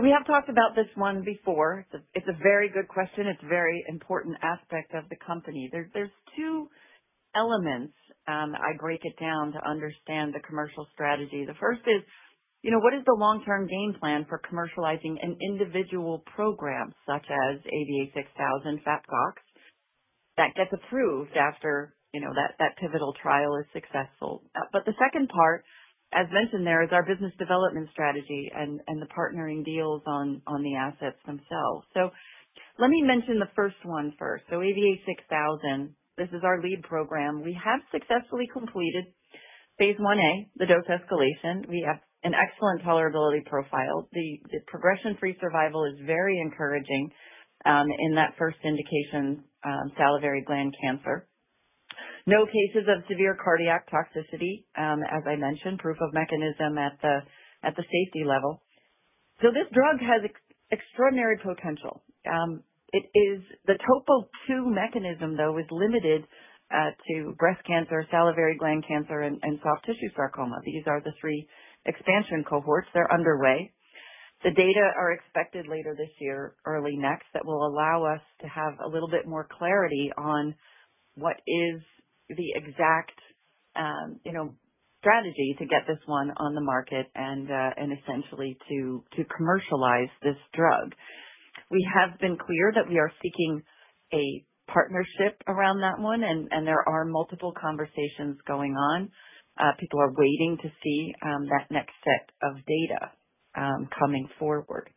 We have talked about this one before. It's a very good question. It's a very important aspect of the company. There are two elements I break it down to understand the commercial strategy. The first is, you know, what is the long-term game plan for commercializing an individual program such as AVA6000, FAPDOX, that gets approved after that pivotal trial is successful? The second part, as mentioned there, is our business development strategy and the partnering deals on the assets themselves. Let me mention the first one first. AVA6000, this is our lead program. We have successfully completed phase 1A, the dose escalation. We have an excellent tolerability profile. The progression-free survival is very encouraging in that first indication, salivary gland cancer. No cases of severe cardiac toxicity, as I mentioned, proof of mechanism at the safety level. This drug has extraordinary potential. The topo 2 mechanism, though, is limited to breast cancer, salivary gland cancer, and soft tissue sarcoma. These are the three expansion cohorts. They're underway. The data are expected later this year, early next, that will allow us to have a little bit more clarity on what is the exact strategy to get this one on the market and essentially to commercialize this drug. We have been clear that we are seeking a partnership around that one, and there are multiple conversations going on. People are waiting to see that next set of data coming forward.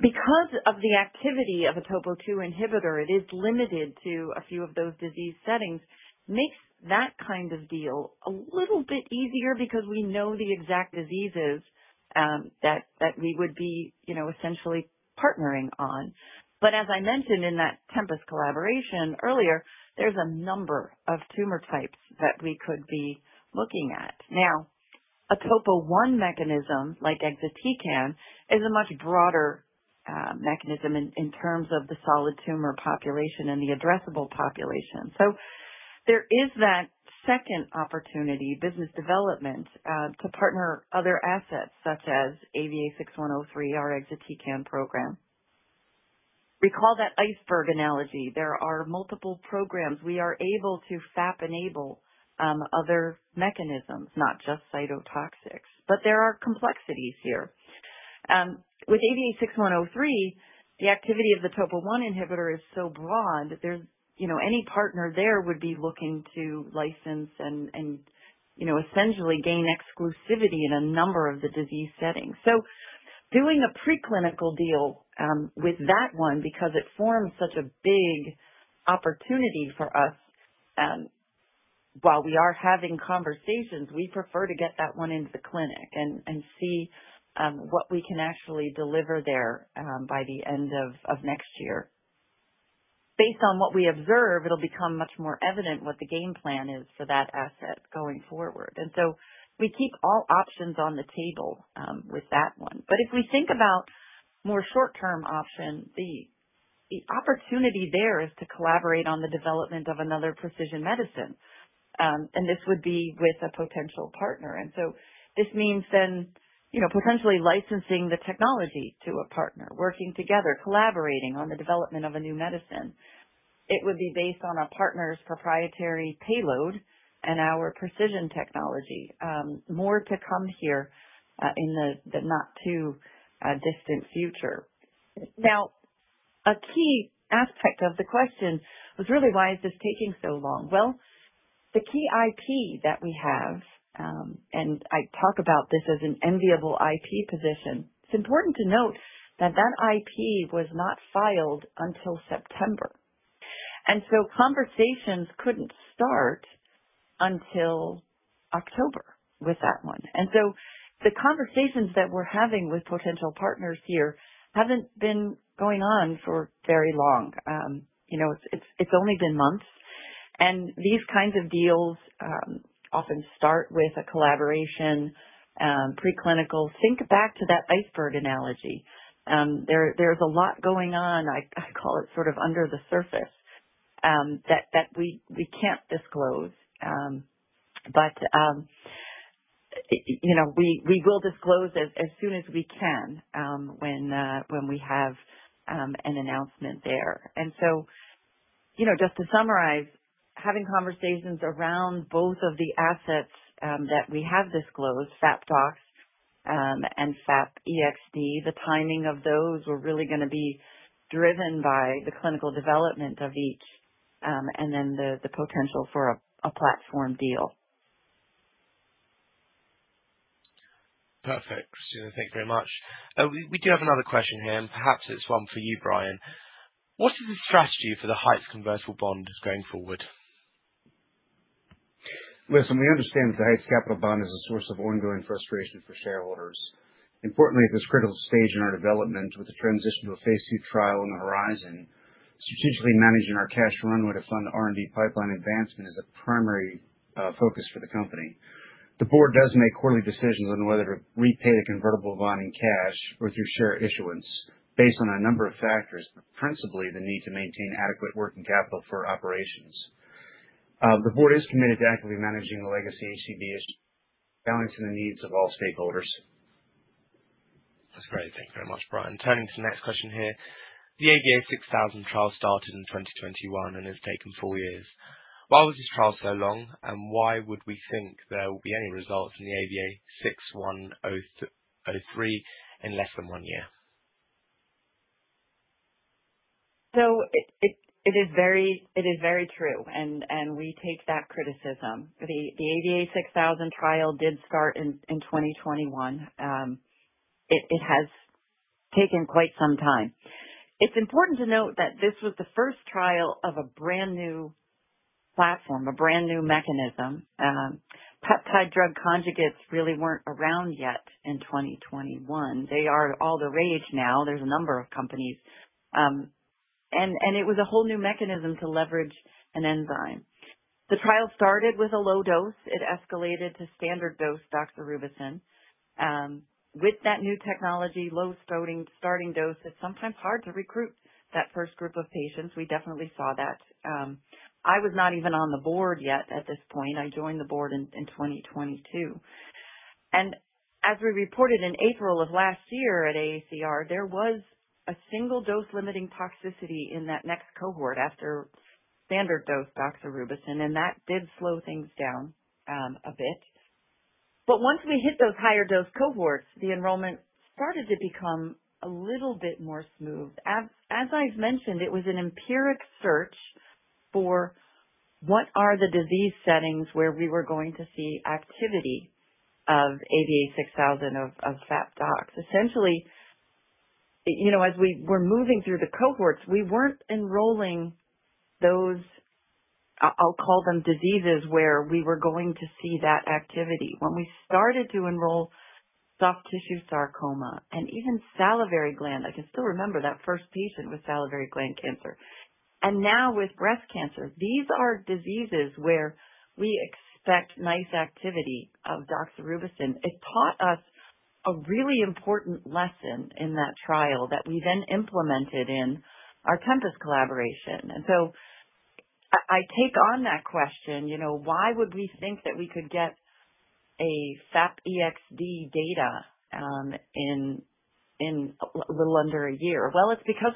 Because of the activity of a topo 2 inhibitor, it is limited to a few of those disease settings, makes that kind of deal a little bit easier because we know the exact diseases that we would be essentially partnering on. As I mentioned in that Tempus collaboration earlier, there's a number of tumor types that we could be looking at. Now, a topo 1 mechanism like exatecan is a much broader mechanism in terms of the solid tumor population and the addressable population. There is that second opportunity, business development, to partner other assets such as AVA6103, our exatecan program. Recall that iceberg analogy. There are multiple programs. We are able to FAP-enable other mechanisms, not just cytotoxics, but there are complexities here. With AVA6103, the activity of the topo 1 inhibitor is so broad that any partner there would be looking to license and essentially gain exclusivity in a number of the disease settings. Doing a preclinical deal with that one, because it forms such a big opportunity for us, while we are having conversations, we prefer to get that one into the clinic and see what we can actually deliver there by the end of next year. Based on what we observe, it will become much more evident what the game plan is for that asset going forward. We keep all options on the table with that one. If we think about more short-term options, the opportunity there is to collaborate on the development of another precision medicine. This would be with a potential partner. This means then potentially licensing the technology to a partner, working together, collaborating on the development of a new medicine. It would be based on a partner's proprietary payload and our precision technology, more to come here in the not-too-distant future. Now, a key aspect of the question was really, why is this taking so long? The key IP that we have, and I talk about this as an enviable IP position, it's important to note that that IP was not filed until September. Conversations could not start until October with that one. The conversations that we're having with potential partners here have not been going on for very long. It's only been months. These kinds of deals often start with a collaboration, preclinical. Think back to that iceberg analogy. There's a lot going on. I call it sort of under the surface that we can't disclose. We will disclose as soon as we can when we have an announcement there. Just to summarize, having conversations around both of the assets that we have disclosed, FAPDOX and FAP-EXD, the timing of those were really going to be driven by the clinical development of each and then the potential for a platform deal. Perfect, Christina. Thank you very much. We do have another question here, and perhaps it's one for you, Brian. What is the strategy for the Heights convertible bond going forward? Listen, we understand that the Heights Capital bond is a source of ongoing frustration for shareholders. Importantly, at this critical stage in our development with the transition to a phase two trial on the horizon, strategically managing our cash runway to fund R&D pipeline advancement is a primary focus for the company. The board does make quarterly decisions on whether to repay the convertible bond in cash or through share issuance based on a number of factors, but principally the need to maintain adequate working capital for operations. The board is committed to actively managing the legacy Heights Capital bond issue, balancing the needs of all stakeholders. That's great. Thank you very much, Brian. Turning to the next question here. The AVA6000 trial started in 2021 and has taken four years. Why was this trial so long, and why would we think there will be any results in the AVA6103 in less than one year? It is very true, and we take that criticism. The AVA6000 trial did start in 2021. It has taken quite some time. It's important to note that this was the first trial of a brand new platform, a brand new mechanism. Peptide drug conjugates really were not around yet in 2021. They are all the rage now. There is a number of companies. It was a whole new mechanism to leverage an enzyme. The trial started with a low dose. It escalated to standard dose doxorubicin. With that new technology, low starting dose, it is sometimes hard to recruit that first group of patients. We definitely saw that. I was not even on the board yet at this point. I joined the board in 2022. As we reported in April of last year at AACR, there was a single dose-limiting toxicity in that next cohort after standard dose doxorubicin, and that did slow things down a bit. Once we hit those higher dose cohorts, the enrollment started to become a little bit more smooth. As I've mentioned, it was an empiric search for what are the disease settings where we were going to see activity of AVA6000, of FAPDOX. Essentially, as we were moving through the cohorts, we weren't enrolling those, I'll call them diseases, where we were going to see that activity. When we started to enroll soft tissue sarcoma and even salivary gland, I can still remember that first patient with salivary gland cancer. Now with breast cancer, these are diseases where we expect nice activity of doxorubicin. It taught us a really important lesson in that trial that we then implemented in our Tempus collaboration. I take on that question, why would we think that we could get FAP-EXD data in a little under a year? It is because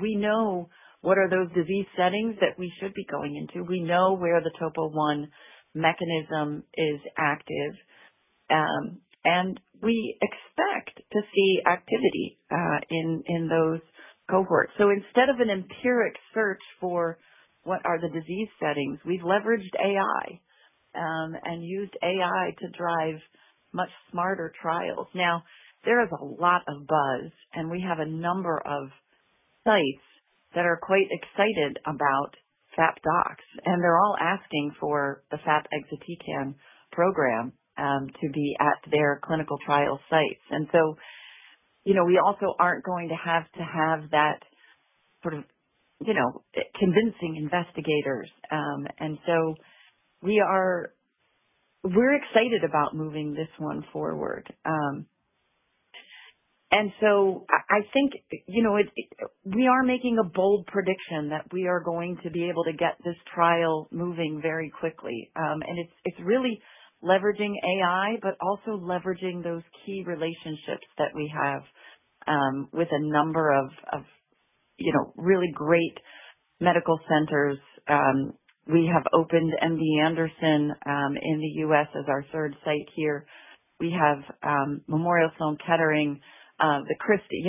we know what are those disease settings that we should be going into. We know where the topo 1 mechanism is active. We expect to see activity in those cohorts. Instead of an empiric search for what are the disease settings, we have leveraged AI and used AI to drive much smarter trials. There is a lot of buzz, and we have a number of sites that are quite excited about FAPDOX. They are all asking for the FAP-Exatecan program to be at their clinical trial sites. We also are not going to have to have that sort of convincing investigators. We're excited about moving this one forward. I think we are making a bold prediction that we are going to be able to get this trial moving very quickly. It's really leveraging AI, but also leveraging those key relationships that we have with a number of really great medical centers. We have opened MD Anderson in the US as our third site here. We have Memorial Sloan Kettering, the Christie.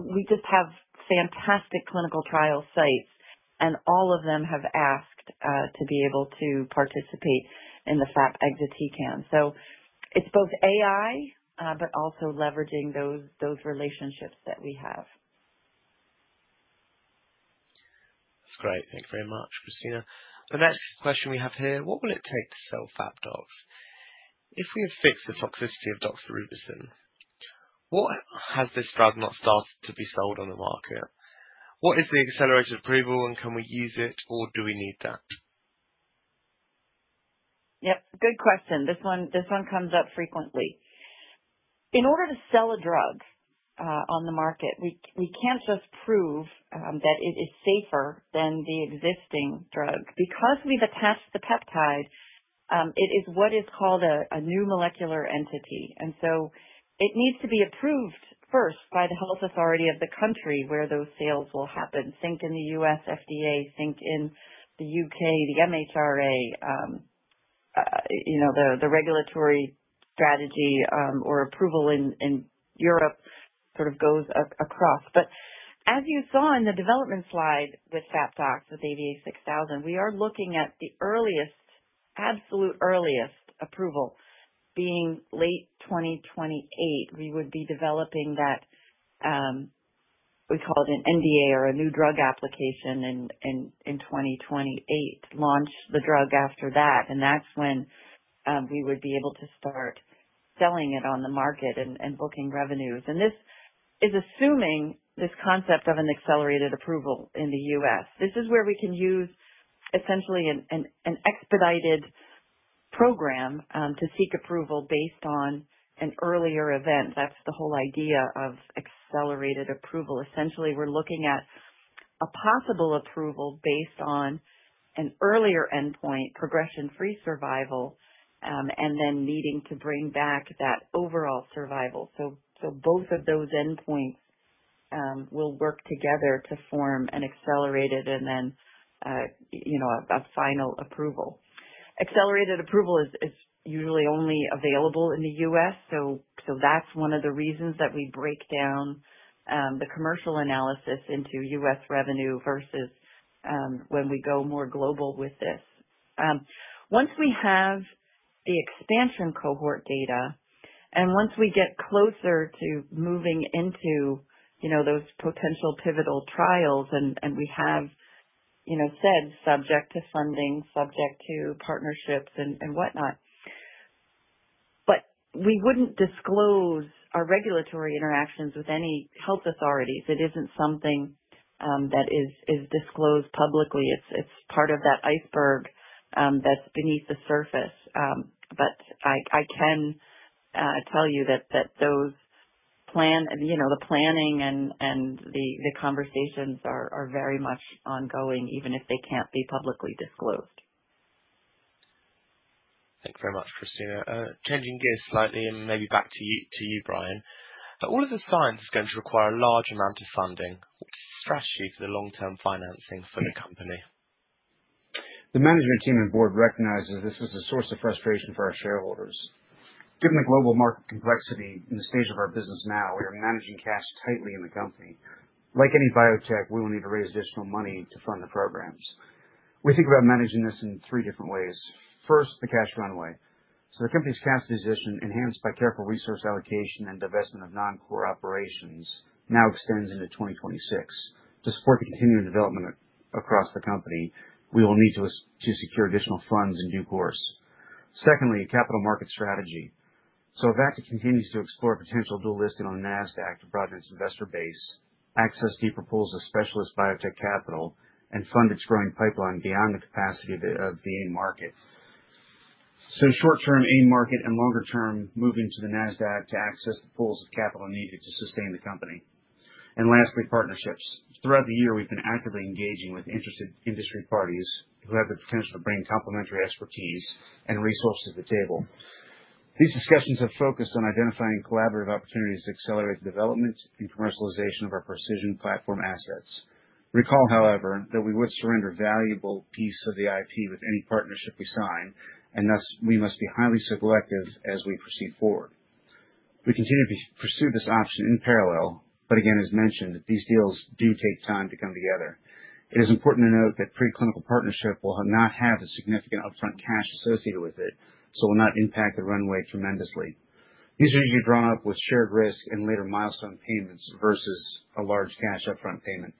We just have fantastic clinical trial sites, and all of them have asked to be able to participate in the FAP-Exatecan. It's both AI, but also leveraging those relationships that we have. That's great. Thank you very much, Christina. The next question we have here, what will it take to sell FAPDOX? If we have fixed the toxicity of doxorubicin, why has this drug not started to be sold on the market? What is the accelerated approval, and can we use it, or do we need that? Yep. Good question. This one comes up frequently. In order to sell a drug on the market, we can't just prove that it is safer than the existing drug. Because we've attached the peptide, it is what is called a new molecular entity. It needs to be approved first by the health authority of the country where those sales will happen. Think in the U.S. FDA, think in the U.K., the MHRA. The regulatory strategy or approval in Europe sort of goes across. As you saw in the development slide with FAPDOX, with AVA6000, we are looking at the earliest, absolute earliest approval being late 2028. We would be developing that, we call it an NDA or a new drug application in 2028, launch the drug after that. That's when we would be able to start selling it on the market and booking revenues. This is assuming this concept of an accelerated approval in the U.S. This is where we can use essentially an expedited program to seek approval based on an earlier event. That is the whole idea of accelerated approval. Essentially, we are looking at a possible approval based on an earlier endpoint, progression-free survival, and then needing to bring back that overall survival. Both of those endpoints will work together to form an accelerated and then a final approval. Accelerated approval is usually only available in the U.S. That is one of the reasons that we break down the commercial analysis into U.S. revenue versus when we go more global with this. Once we have the expansion cohort data and once we get closer to moving into those potential pivotal trials and we have said subject to funding, subject to partnerships and whatnot, we would not disclose our regulatory interactions with any health authorities. It is not something that is disclosed publicly. It is part of that iceberg that is beneath the surface. I can tell you that the planning and the conversations are very much ongoing, even if they cannot be publicly disclosed. Thank you very much, Christina. Changing gears slightly and maybe back to you, Brian. All of the science is going to require a large amount of funding. What's the strategy for the long-term financing for the company? The management team and board recognize that this is a source of frustration for our shareholders. Given the global market complexity and the stage of our business now, we are managing cash tightly in the company. Like any biotech, we will need to raise additional money to fund the programs. We think about managing this in three different ways. First, the cash runway. The company's cash position, enhanced by careful resource allocation and divestment of non-core operations, now extends into 2026. To support the continuing development across the company, we will need to secure additional funds in due course. Secondly, capital market strategy. Avacta continues to explore potential dual listing on NASDAQ to broaden its investor base, access deeper pools of specialist biotech capital, and fund its growing pipeline beyond the capacity of the AIM market. Short-term aim market and longer-term moving to the NASDAQ to access the pools of capital needed to sustain the company. Lastly, partnerships. Throughout the year, we've been actively engaging with interested industry parties who have the potential to bring complementary expertise and resources to the table. These discussions have focused on identifying collaborative opportunities to accelerate the development and commercialization of our precision platform assets. Recall, however, that we would surrender a valuable piece of the IP with any partnership we sign, and thus we must be highly selective as we proceed forward. We continue to pursue this option in parallel, but again, as mentioned, these deals do take time to come together. It is important to note that preclinical partnership will not have a significant upfront cash associated with it, so it will not impact the runway tremendously. These are usually drawn up with shared risk and later milestone payments versus a large cash upfront payment.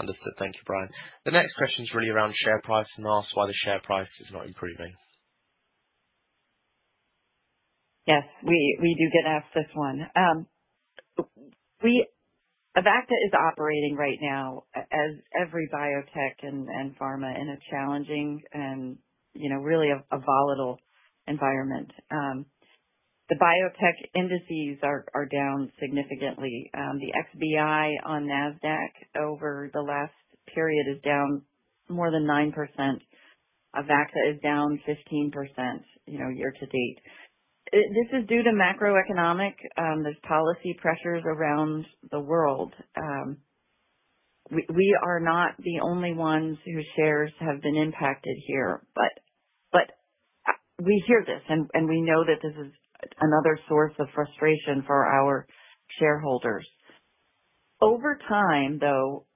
Understood. Thank you, Brian. The next question is really around share price and asks why the share price is not improving. Yes. We do get asked this one. Avacta is operating right now, as every biotech and pharma, in a challenging and really a volatile environment. The biotech indices are down significantly. The XBI on NASDAQ over the last period is down more than 9%. Avacta is down 15% year to date. This is due to macroeconomic. There is policy pressures around the world. We are not the only ones whose shares have been impacted here, but we hear this and we know that this is another source of frustration for our shareholders. Over time, though,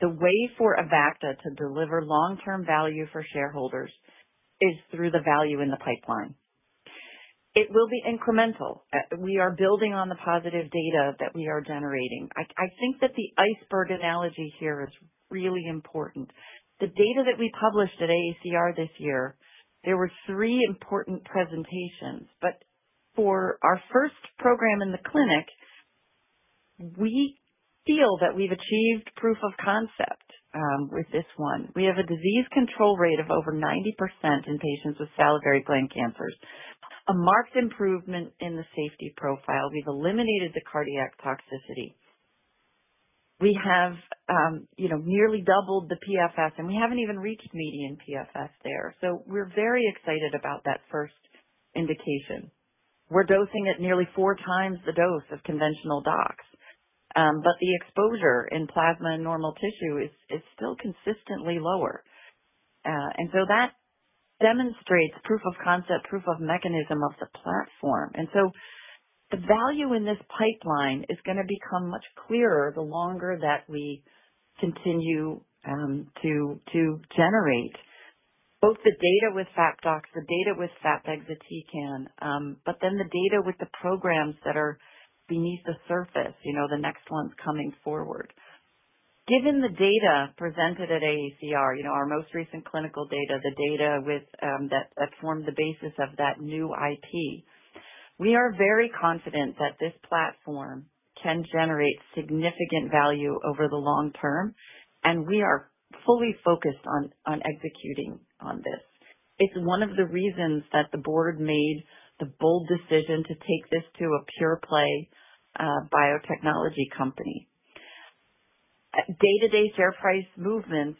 the way for Avacta to deliver long-term value for shareholders is through the value in the pipeline. It will be incremental. We are building on the positive data that we are generating. I think that the iceberg analogy here is really important. The data that we published at AACR this year, there were three important presentations. For our first program in the clinic, we feel that we've achieved proof of concept with this one. We have a disease control rate of over 90% in patients with salivary gland cancers, a marked improvement in the safety profile. We've eliminated the cardiac toxicity. We have nearly doubled the PFS, and we haven't even reached median PFS there. We are very excited about that first indication. We're dosing at nearly four times the dose of conventional dox, but the exposure in plasma and normal tissue is still consistently lower. That demonstrates proof of concept, proof of mechanism of the platform. The value in this pipeline is going to become much clearer the longer that we continue to generate both the data with FAPDOX, the data with FAP-Exatecan, and the data with the programs that are beneath the surface, the next ones coming forward. Given the data presented at AACR, our most recent clinical data, the data that formed the basis of that new IP, we are very confident that this platform can generate significant value over the long term, and we are fully focused on executing on this. It is one of the reasons that the board made the bold decision to take this to a pure-play biotechnology company. Day-to-day share price movements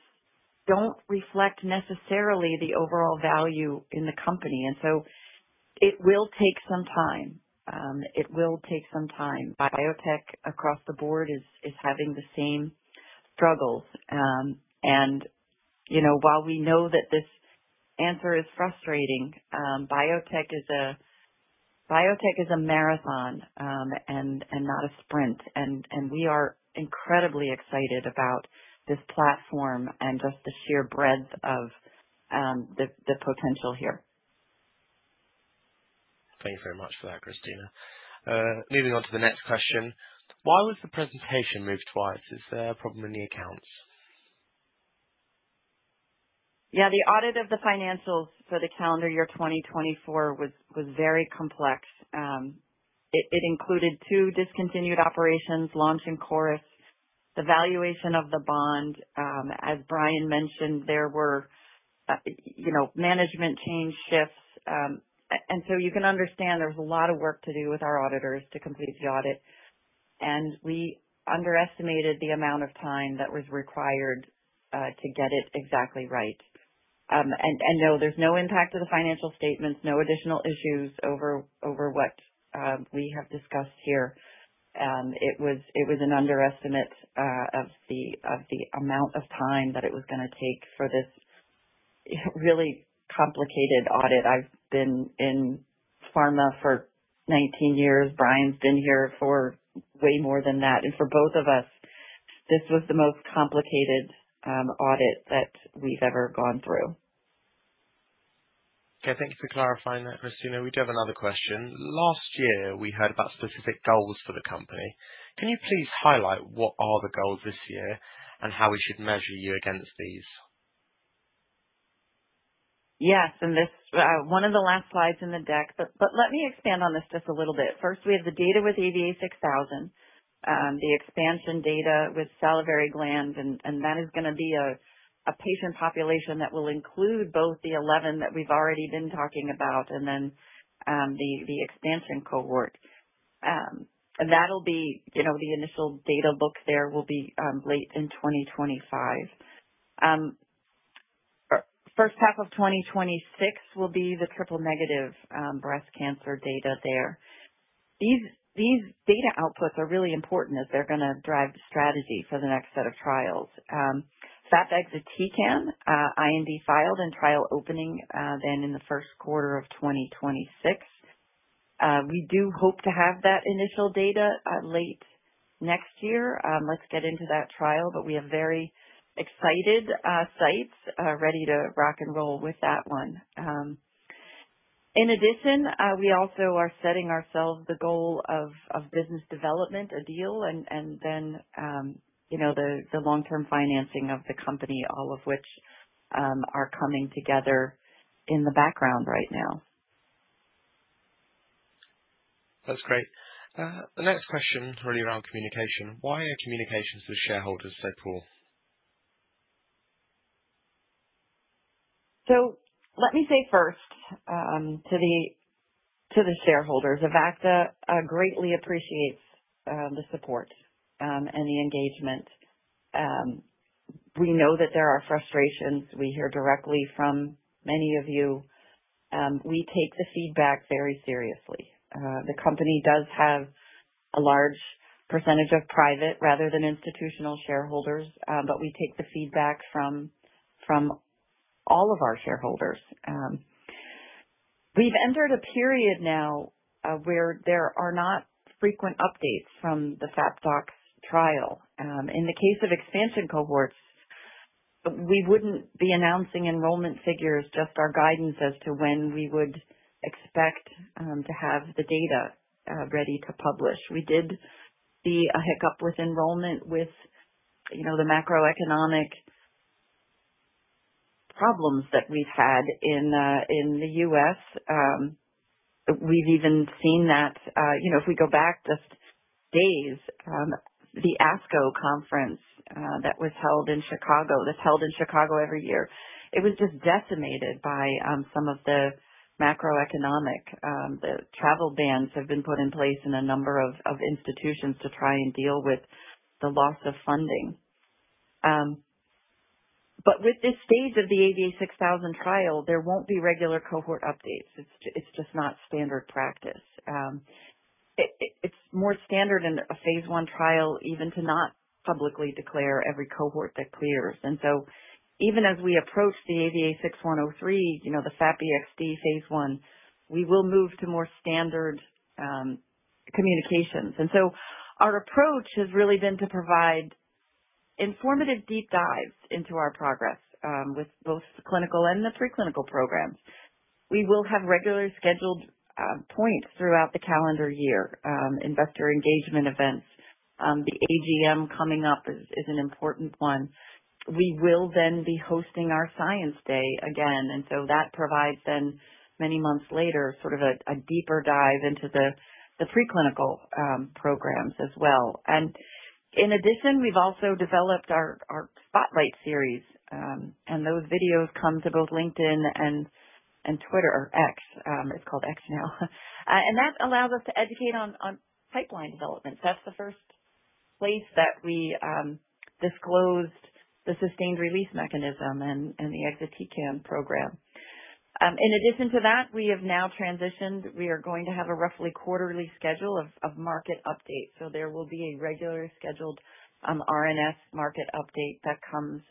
do not reflect necessarily the overall value in the company. It will take some time. It will take some time. Biotech across the board is having the same struggles. While we know that this answer is frustrating, biotech is a marathon and not a sprint. We are incredibly excited about this platform and just the sheer breadth of the potential here. Thank you very much for that, Christina. Moving on to the next question. Why was the presentation moved twice? Is there a problem in the accounts? Yeah. The audit of the financials for the calendar year 2024 was very complex. It included two discontinued operations, Launch and Chorus, the valuation of the bond. As Brian mentioned, there were management change shifts. You can understand there's a lot of work to do with our auditors to complete the audit. We underestimated the amount of time that was required to get it exactly right. No, there's no impact to the financial statements, no additional issues over what we have discussed here. It was an underestimate of the amount of time that it was going to take for this really complicated audit. I've been in pharma for 19 years. Brian's been here for way more than that. For both of us, this was the most complicated audit that we've ever gone through. Okay. Thank you for clarifying that, Christina. We do have another question. Last year, we heard about specific goals for the company. Can you please highlight what are the goals this year and how we should measure you against these? Yes. This is one of the last slides in the deck. Let me expand on this just a little bit. First, we have the data with ABA 6000, the expansion data with salivary glands, and that is going to be a patient population that will include both the 11 that we've already been talking about and then the expansion cohort. That will be the initial data book there, which will be late in 2025. The first half of 2026 will be the triple negative breast cancer data there. These data outputs are really important as they're going to drive the strategy for the next set of trials. FAP-Exatecan, IND filed and trial opening in the first quarter of 2026. We do hope to have that initial data late next year. Let's get into that trial, but we have very excited sites ready to rock and roll with that one. In addition, we also are setting ourselves the goal of business development, a deal, and then the long-term financing of the company, all of which are coming together in the background right now. That's great. The next question really around communication. Why are communications to the shareholders so poor? Let me say first to the shareholders, Avacta greatly appreciates the support and the engagement. We know that there are frustrations. We hear directly from many of you. We take the feedback very seriously. The company does have a large percentage of private rather than institutional shareholders, but we take the feedback from all of our shareholders. We have entered a period now where there are not frequent updates from the FAPDOX trial. In the case of expansion cohorts, we would not be announcing enrollment figures, just our guidance as to when we would expect to have the data ready to publish. We did see a hiccup with enrollment with the macroeconomic problems that we have had in the US. We've even seen that if we go back just days, the ASCO conference that was held in Chicago, that's held in Chicago every year, it was just decimated by some of the macroeconomic. The travel bans have been put in place in a number of institutions to try and deal with the loss of funding. With this stage of the ABA 6000 trial, there won't be regular cohort updates. It's just not standard practice. It's more standard in a phase I trial even to not publicly declare every cohort that clears. Even as we approach the ABA 6103, the FAP-Exd phase I, we will move to more standard communications. Our approach has really been to provide informative deep dives into our progress with both the clinical and the preclinical programs. We will have regularly scheduled points throughout the calendar year, investor engagement events. The AGM coming up is an important one. We will then be hosting our science day again. That provides then many months later sort of a deeper dive into the preclinical programs as well. In addition, we've also developed our spotlight series. Those videos come to both LinkedIn and Twitter or X. It's called X now. That allows us to educate on pipeline development. That's the first place that we disclosed the sustained release mechanism and the Exatecan program. In addition to that, we have now transitioned. We are going to have a roughly quarterly schedule of market updates. There will be a regularly scheduled R&S market update that comes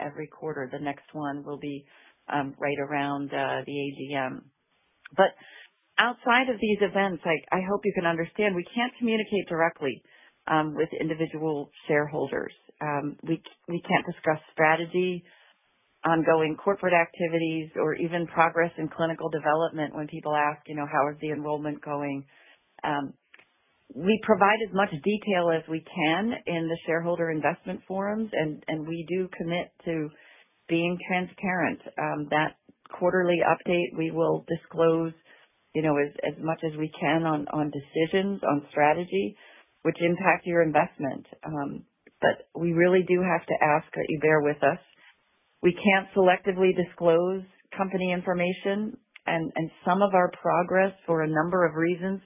every quarter. The next one will be right around the AGM. Outside of these events, I hope you can understand we can't communicate directly with individual shareholders. We can't discuss strategy, ongoing corporate activities, or even progress in clinical development when people ask, "How is the enrollment going?" We provide as much detail as we can in the shareholder investment forums, and we do commit to being transparent. That quarterly update, we will disclose as much as we can on decisions, on strategy, which impact your investment. We really do have to ask that you bear with us. We can't selectively disclose company information, and some of our progress for a number of reasons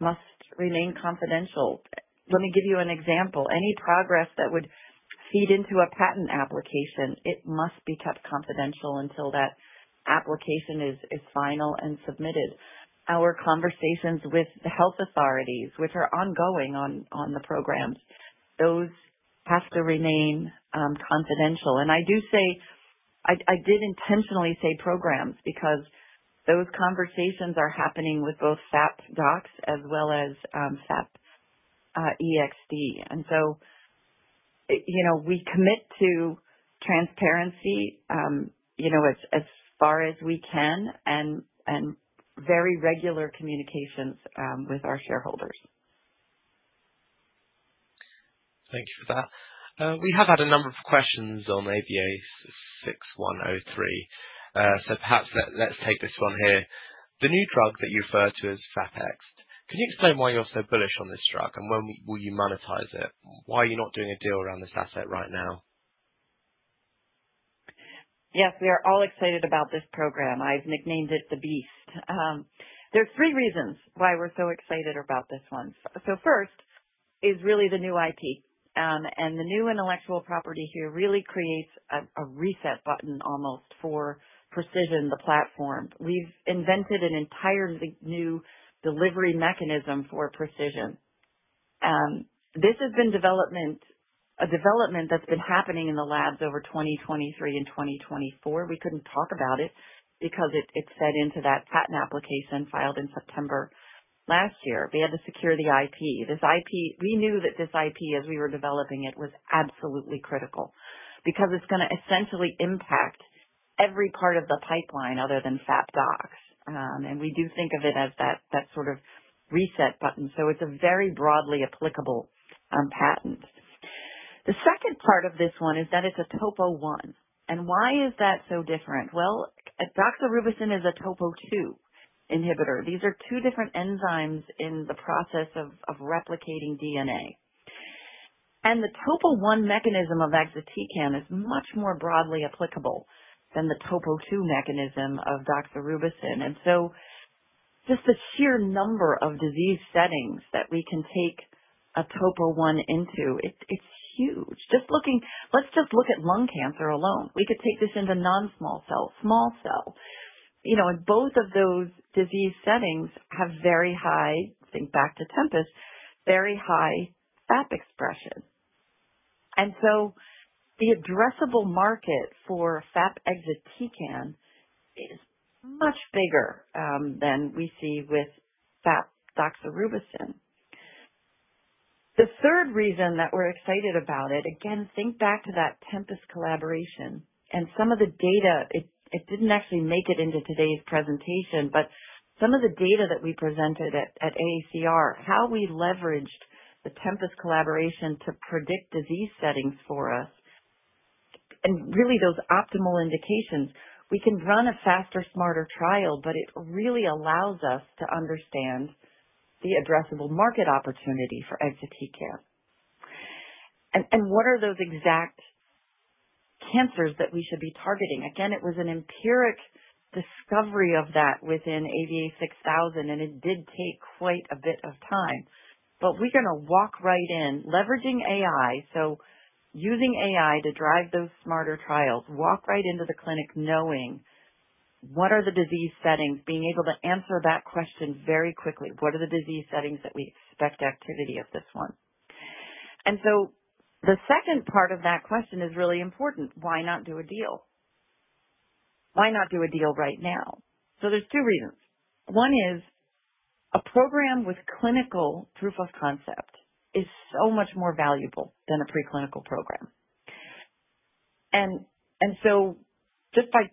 must remain confidential. Let me give you an example. Any progress that would feed into a patent application, it must be kept confidential until that application is final and submitted. Our conversations with the health authorities, which are ongoing on the programs, those have to remain confidential. I do say I did intentionally say programs because those conversations are happening with both FAPDOX as well as FAP-Exatecan. We commit to transparency as far as we can and very regular communications with our shareholders. Thank you for that. We have had a number of questions on ABA 6103. Perhaps let's take this one here. The new drug that you refer to as FAP-Exd, can you explain why you're so bullish on this drug and when will you monetize it? Why are you not doing a deal around this asset right now? Yes. We are all excited about this program. I've nicknamed it the beast. There's three reasons why we're so excited about this one. First is really the new IP. And the new intellectual property here really creates a reset button almost for Precision, the platform. We've invented an entirely new delivery mechanism for Precision. This has been a development that's been happening in the labs over 2023 and 2024. We couldn't talk about it because it fed into that patent application filed in September last year. We had to secure the IP. We knew that this IP, as we were developing it, was absolutely critical because it's going to essentially impact every part of the pipeline other than FAPDOX. We do think of it as that sort of reset button. It is a very broadly applicable patent. The second part of this one is that it's a topo 1. Why is that so different? Doxorubicin is a topo 2 inhibitor. These are two different enzymes in the process of replicating DNA. The topo 1 mechanism of Exatecan is much more broadly applicable than the topo 2 mechanism of doxorubicin. Just the sheer number of disease settings that we can take a topo 1 into, it's huge. Let's just look at lung cancer alone. We could take this into non-small cell, small cell. Both of those disease settings have very high, think back to Tempus, very high FAP expression. The addressable market for FAP-Exatecan is much bigger than we see with FAP doxorubicin. The third reason that we're excited about it, again, think back to that Tempus collaboration and some of the data. It did not actually make it into today's presentation, but some of the data that we presented at AACR, how we leveraged the Tempus collaboration to predict disease settings for us, and really those optimal indications. We can run a faster, smarter trial, but it really allows us to understand the addressable market opportunity for Exatecan. What are those exact cancers that we should be targeting? Again, it was an empiric discovery of that within ABA 6000, and it did take quite a bit of time. We are going to walk right in, leveraging AI, so using AI to drive those smarter trials, walk right into the clinic knowing what are the disease settings, being able to answer that question very quickly. What are the disease settings that we expect activity of this one? The second part of that question is really important. Why not do a deal? Why not do a deal right now? There are two reasons. One is a program with clinical proof of concept is so much more valuable than a preclinical program. Just by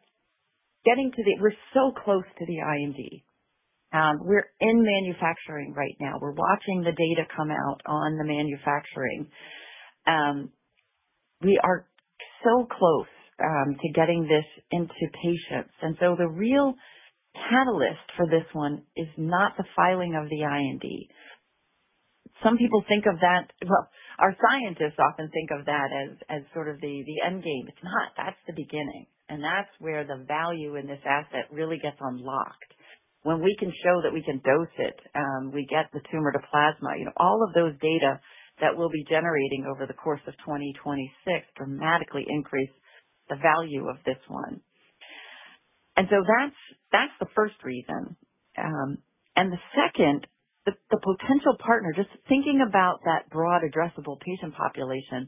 getting to the, we are so close to the IND. We are in manufacturing right now. We are watching the data come out on the manufacturing. We are so close to getting this into patients. The real catalyst for this one is not the filing of the IND. Some people think of that, our scientists often think of that as sort of the end game. It is not. That is the beginning. That is where the value in this asset really gets unlocked. When we can show that we can dose it, we get the tumor to plasma. All of those data that we will be generating over the course of 2026 dramatically increase the value of this one. That's the first reason. The second, the potential partner, just thinking about that broad addressable patient population,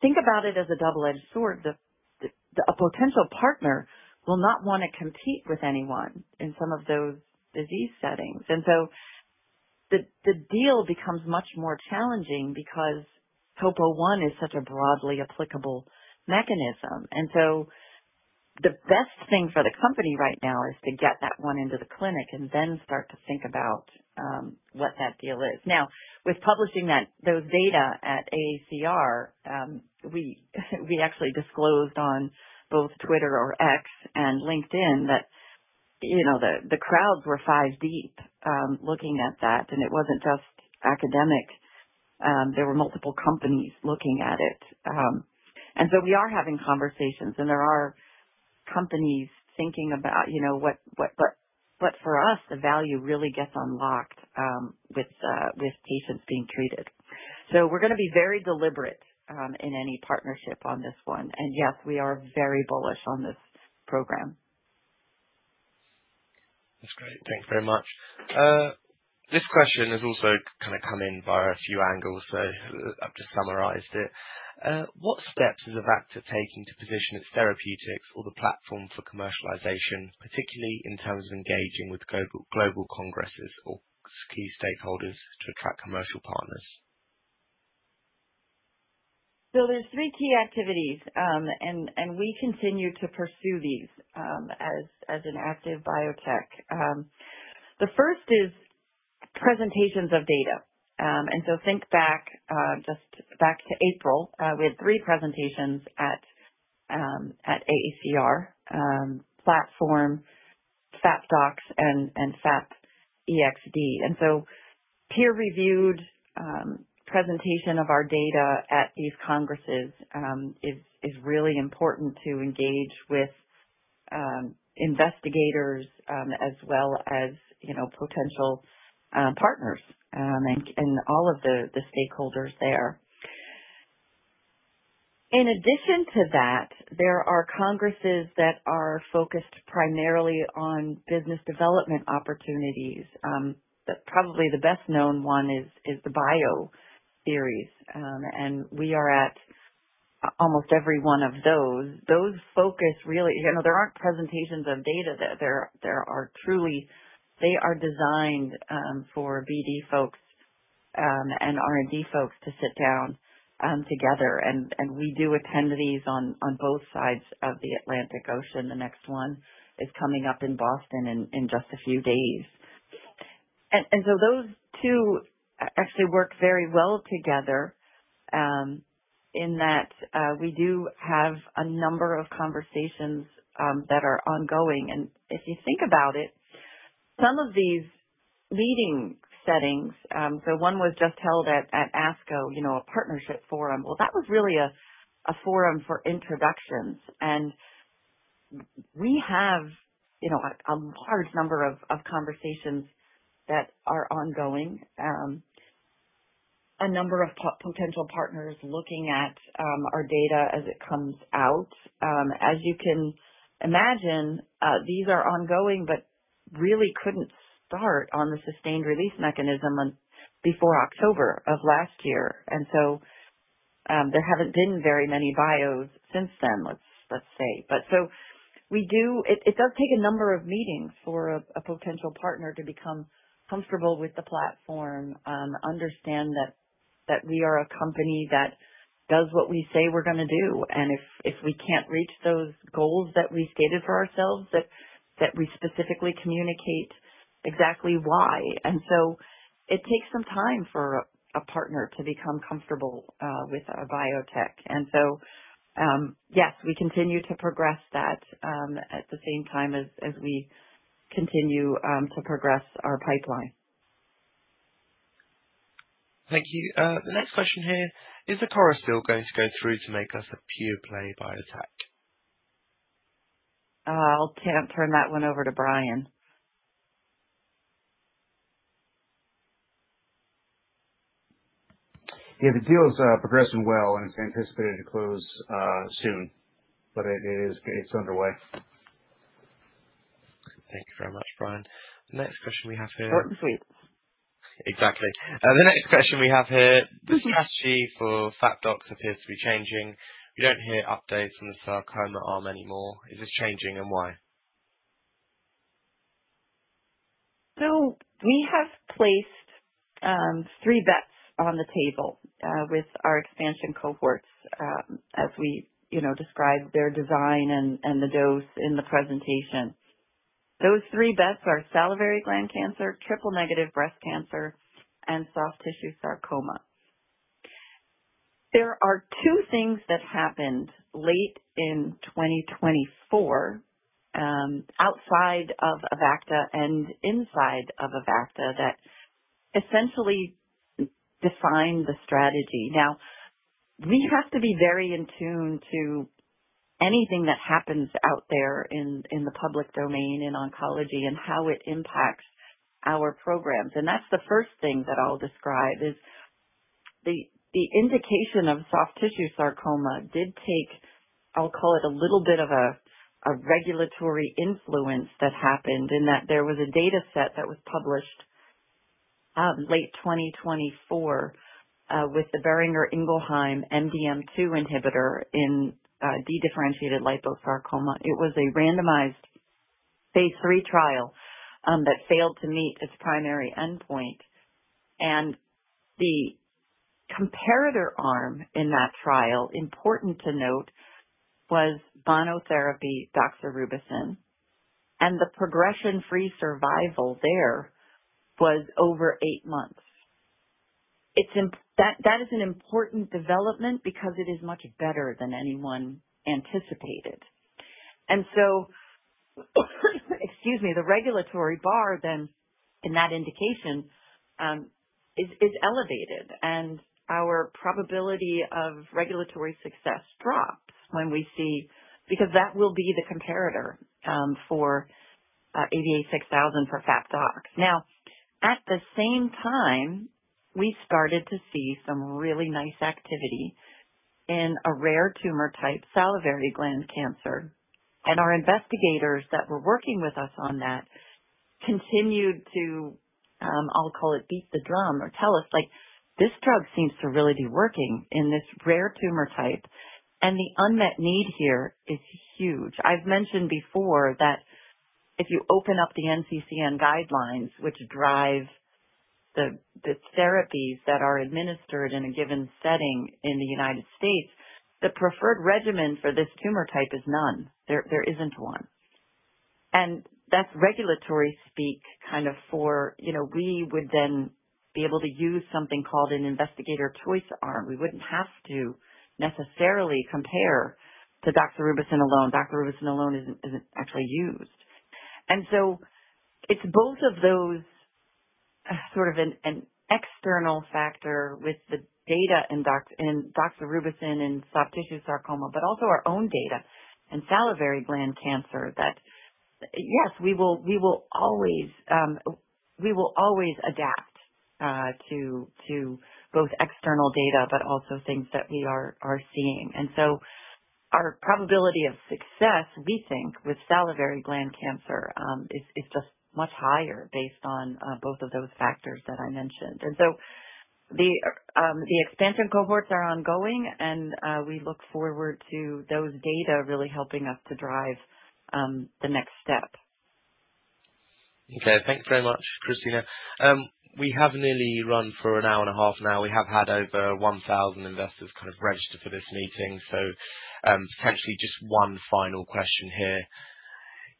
think about it as a double-edged sword. A potential partner will not want to compete with anyone in some of those disease settings. The deal becomes much more challenging because topo 1 is such a broadly applicable mechanism. The best thing for the company right now is to get that one into the clinic and then start to think about what that deal is. With publishing those data at AACR, we actually disclosed on both Twitter or X and LinkedIn that the crowds were five deep looking at that. It was not just academic. There were multiple companies looking at it. We are having conversations, and there are companies thinking about what, but for us, the value really gets unlocked with patients being treated. We are going to be very deliberate in any partnership on this one. Yes, we are very bullish on this program. That's great. Thank you very much. This question has also kind of come in via a few angles, so I've just summarized it. What steps is Avacta taking to position its therapeutics or the platform for commercialization, particularly in terms of engaging with global congresses or key stakeholders to attract commercial partners? There are three key activities, and we continue to pursue these as an active biotech. The first is presentations of data. Think back just to April. We had three presentations at AACR: platform, FAPDOX, and FAP-Exd. Peer-reviewed presentation of our data at these congresses is really important to engage with investigators as well as potential partners and all of the stakeholders there. In addition to that, there are congresses that are focused primarily on business development opportunities. Probably the best-known one is the BIO series. We are at almost every one of those. Those focus—there are not presentations of data there. They are designed for BD folks and R&D folks to sit down together. We do attend these on both sides of the Atlantic Ocean. The next one is coming up in Boston in just a few days. Those two actually work very well together in that we do have a number of conversations that are ongoing. If you think about it, some of these leading settings, one was just held at ASCO, a partnership forum. That was really a forum for introductions. We have a large number of conversations that are ongoing, a number of potential partners looking at our data as it comes out. As you can imagine, these are ongoing, but really could not start on the sustained release mechanism before October of last year. There have not been very many bios since then, let's say. It does take a number of meetings for a potential partner to become comfortable with the platform, understand that we are a company that does what we say we are going to do. If we can't reach those goals that we stated for ourselves, that we specifically communicate exactly why. It takes some time for a partner to become comfortable with a biotech. Yes, we continue to progress that at the same time as we continue to progress our pipeline. Thank you. The next question here, is the Chorus deal going to go through to make us a pure-play biotech? I'll turn that one over to Brian. Yeah, the deal is progressing well, and it's anticipated to close soon. It's underway. Thank you very much, Brian. Next question we have here. Short and sweet. Exactly. The next question we have here, the strategy for FAPDOX appears to be changing. We do not hear updates from the sarcoma arm anymore. Is this changing, and why? We have placed three bets on the table with our expansion cohorts as we describe their design and the dose in the presentation. Those three bets are salivary gland cancer, triple-negative breast cancer, and soft tissue sarcoma. There are two things that happened late in 2024 outside of Avacta and inside of Avacta that essentially define the strategy. Now, we have to be very in tune to anything that happens out there in the public domain in oncology and how it impacts our programs. The first thing that I'll describe is the indication of soft tissue sarcoma did take, I'll call it a little bit of a regulatory influence that happened in that there was a data set that was published late 2024 with the Boehringer Ingelheim MDM2 inhibitor in dedifferentiated liposarcoma. It was a randomized phase III trial that failed to meet its primary endpoint. The comparator arm in that trial, important to note, was monotherapy doxorubicin. The progression-free survival there was over eight months. That is an important development because it is much better than anyone anticipated. Excuse me, the regulatory bar then in that indication is elevated. Our probability of regulatory success drops when we see because that will be the comparator for ABA 6000 for FAPDOX. At the same time, we started to see some really nice activity in a rare tumor type, salivary gland cancer. Our investigators that were working with us on that continued to, I'll call it beat the drum or tell us, like, "This drug seems to really be working in this rare tumor type." The unmet need here is huge. I've mentioned before that if you open up the NCCN guidelines, which drive the therapies that are administered in a given setting in the United States, the preferred regimen for this tumor type is none. There isn't one. That's regulatory speak kind of for we would then be able to use something called an investigator choice arm. We wouldn't have to necessarily compare to doxorubicin alone. Doxorubicin alone isn't actually used. It is both of those, sort of an external factor with the data in doxorubicin and soft tissue sarcoma, but also our own data in salivary gland cancer that, yes, we will always adapt to both external data, but also things that we are seeing. Our probability of success, we think, with salivary gland cancer is just much higher based on both of those factors that I mentioned. The expansion cohorts are ongoing, and we look forward to those data really helping us to drive the next step. Okay. Thank you very much, Christina. We have nearly run for an hour and a half now. We have had over 1,000 investors kind of register for this meeting. Potentially just one final question here.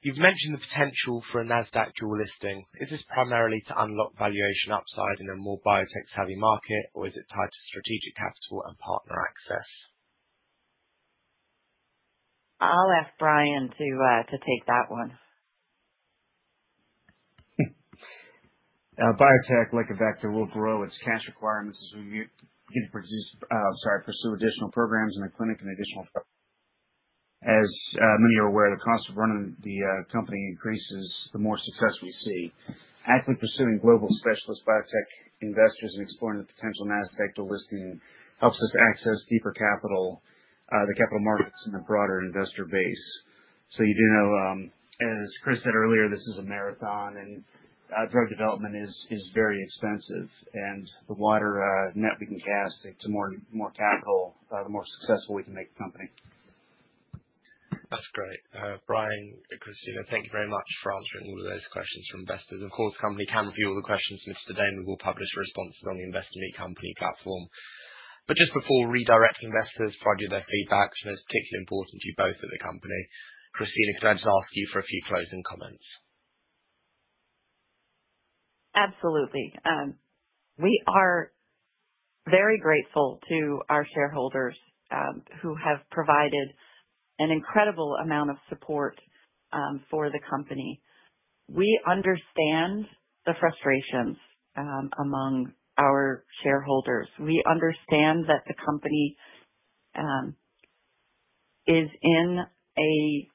You've mentioned the potential for a Nasdaq dual listing. Is this primarily to unlock valuation upside in a more biotech-savvy market, or is it tied to strategic capital and partner access? I'll ask Brian to take that one. Biotech like Avacta will grow its cash requirements as we begin to pursue additional programs in the clinic and additional. As many are aware, the cost of running the company increases the more success we see. Actively pursuing global specialist biotech investors and exploring the potential Nasdaq dual listing helps us access deeper capital, the capital markets, and the broader investor base. You do know, as Chris said earlier, this is a marathon, and drug development is very expensive. The wider net we can cast, the more capital, the more successful we can make the company. That's great. Brian, Christina, thank you very much for answering all of those questions from investors. Of course, the company can review all the questions. Mr. Damon will publish responses on the Invest in Me company platform. Just before we redirect investors, pride you their feedback, which is particularly important to you both at the company. Christina, could I just ask you for a few closing comments? Absolutely. We are very grateful to our shareholders who have provided an incredible amount of support for the company. We understand the frustrations among our shareholders. We understand that the company is in a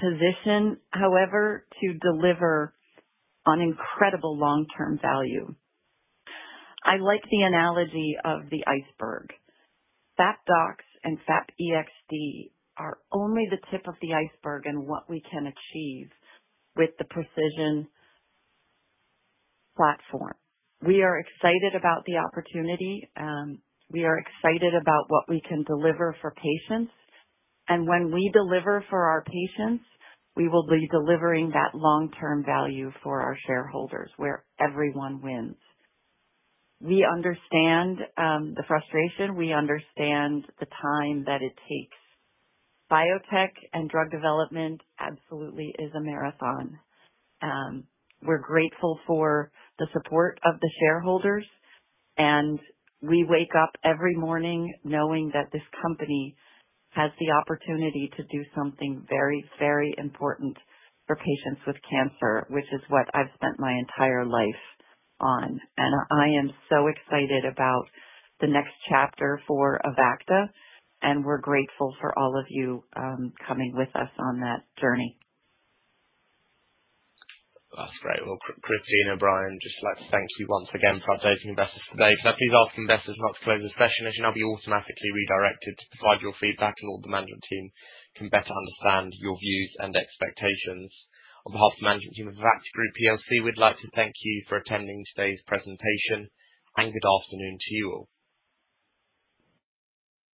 position, however, to deliver on incredible long-term value. I like the analogy of the iceberg. FAPDOX and FAP-Exd are only the tip of the iceberg in what we can achieve with the precision platform. We are excited about the opportunity. We are excited about what we can deliver for patients. When we deliver for our patients, we will be delivering that long-term value for our shareholders where everyone wins. We understand the frustration. We understand the time that it takes. Biotech and drug development absolutely is a marathon. We're grateful for the support of the shareholders. We wake up every morning knowing that this company has the opportunity to do something very, very important for patients with cancer, which is what I've spent my entire life on. I am so excited about the next chapter for Avacta. We are grateful for all of you coming with us on that journey. That's great. Christina and Brian, just like to thank you once again for updating investors today. Could I please ask investors not to close the session? As you know, you'll be automatically redirected to provide your feedback and all the management team can better understand your views and expectations. On behalf of the management team of Avacta Group, we'd like to thank you for attending today's presentation. Good afternoon to you all.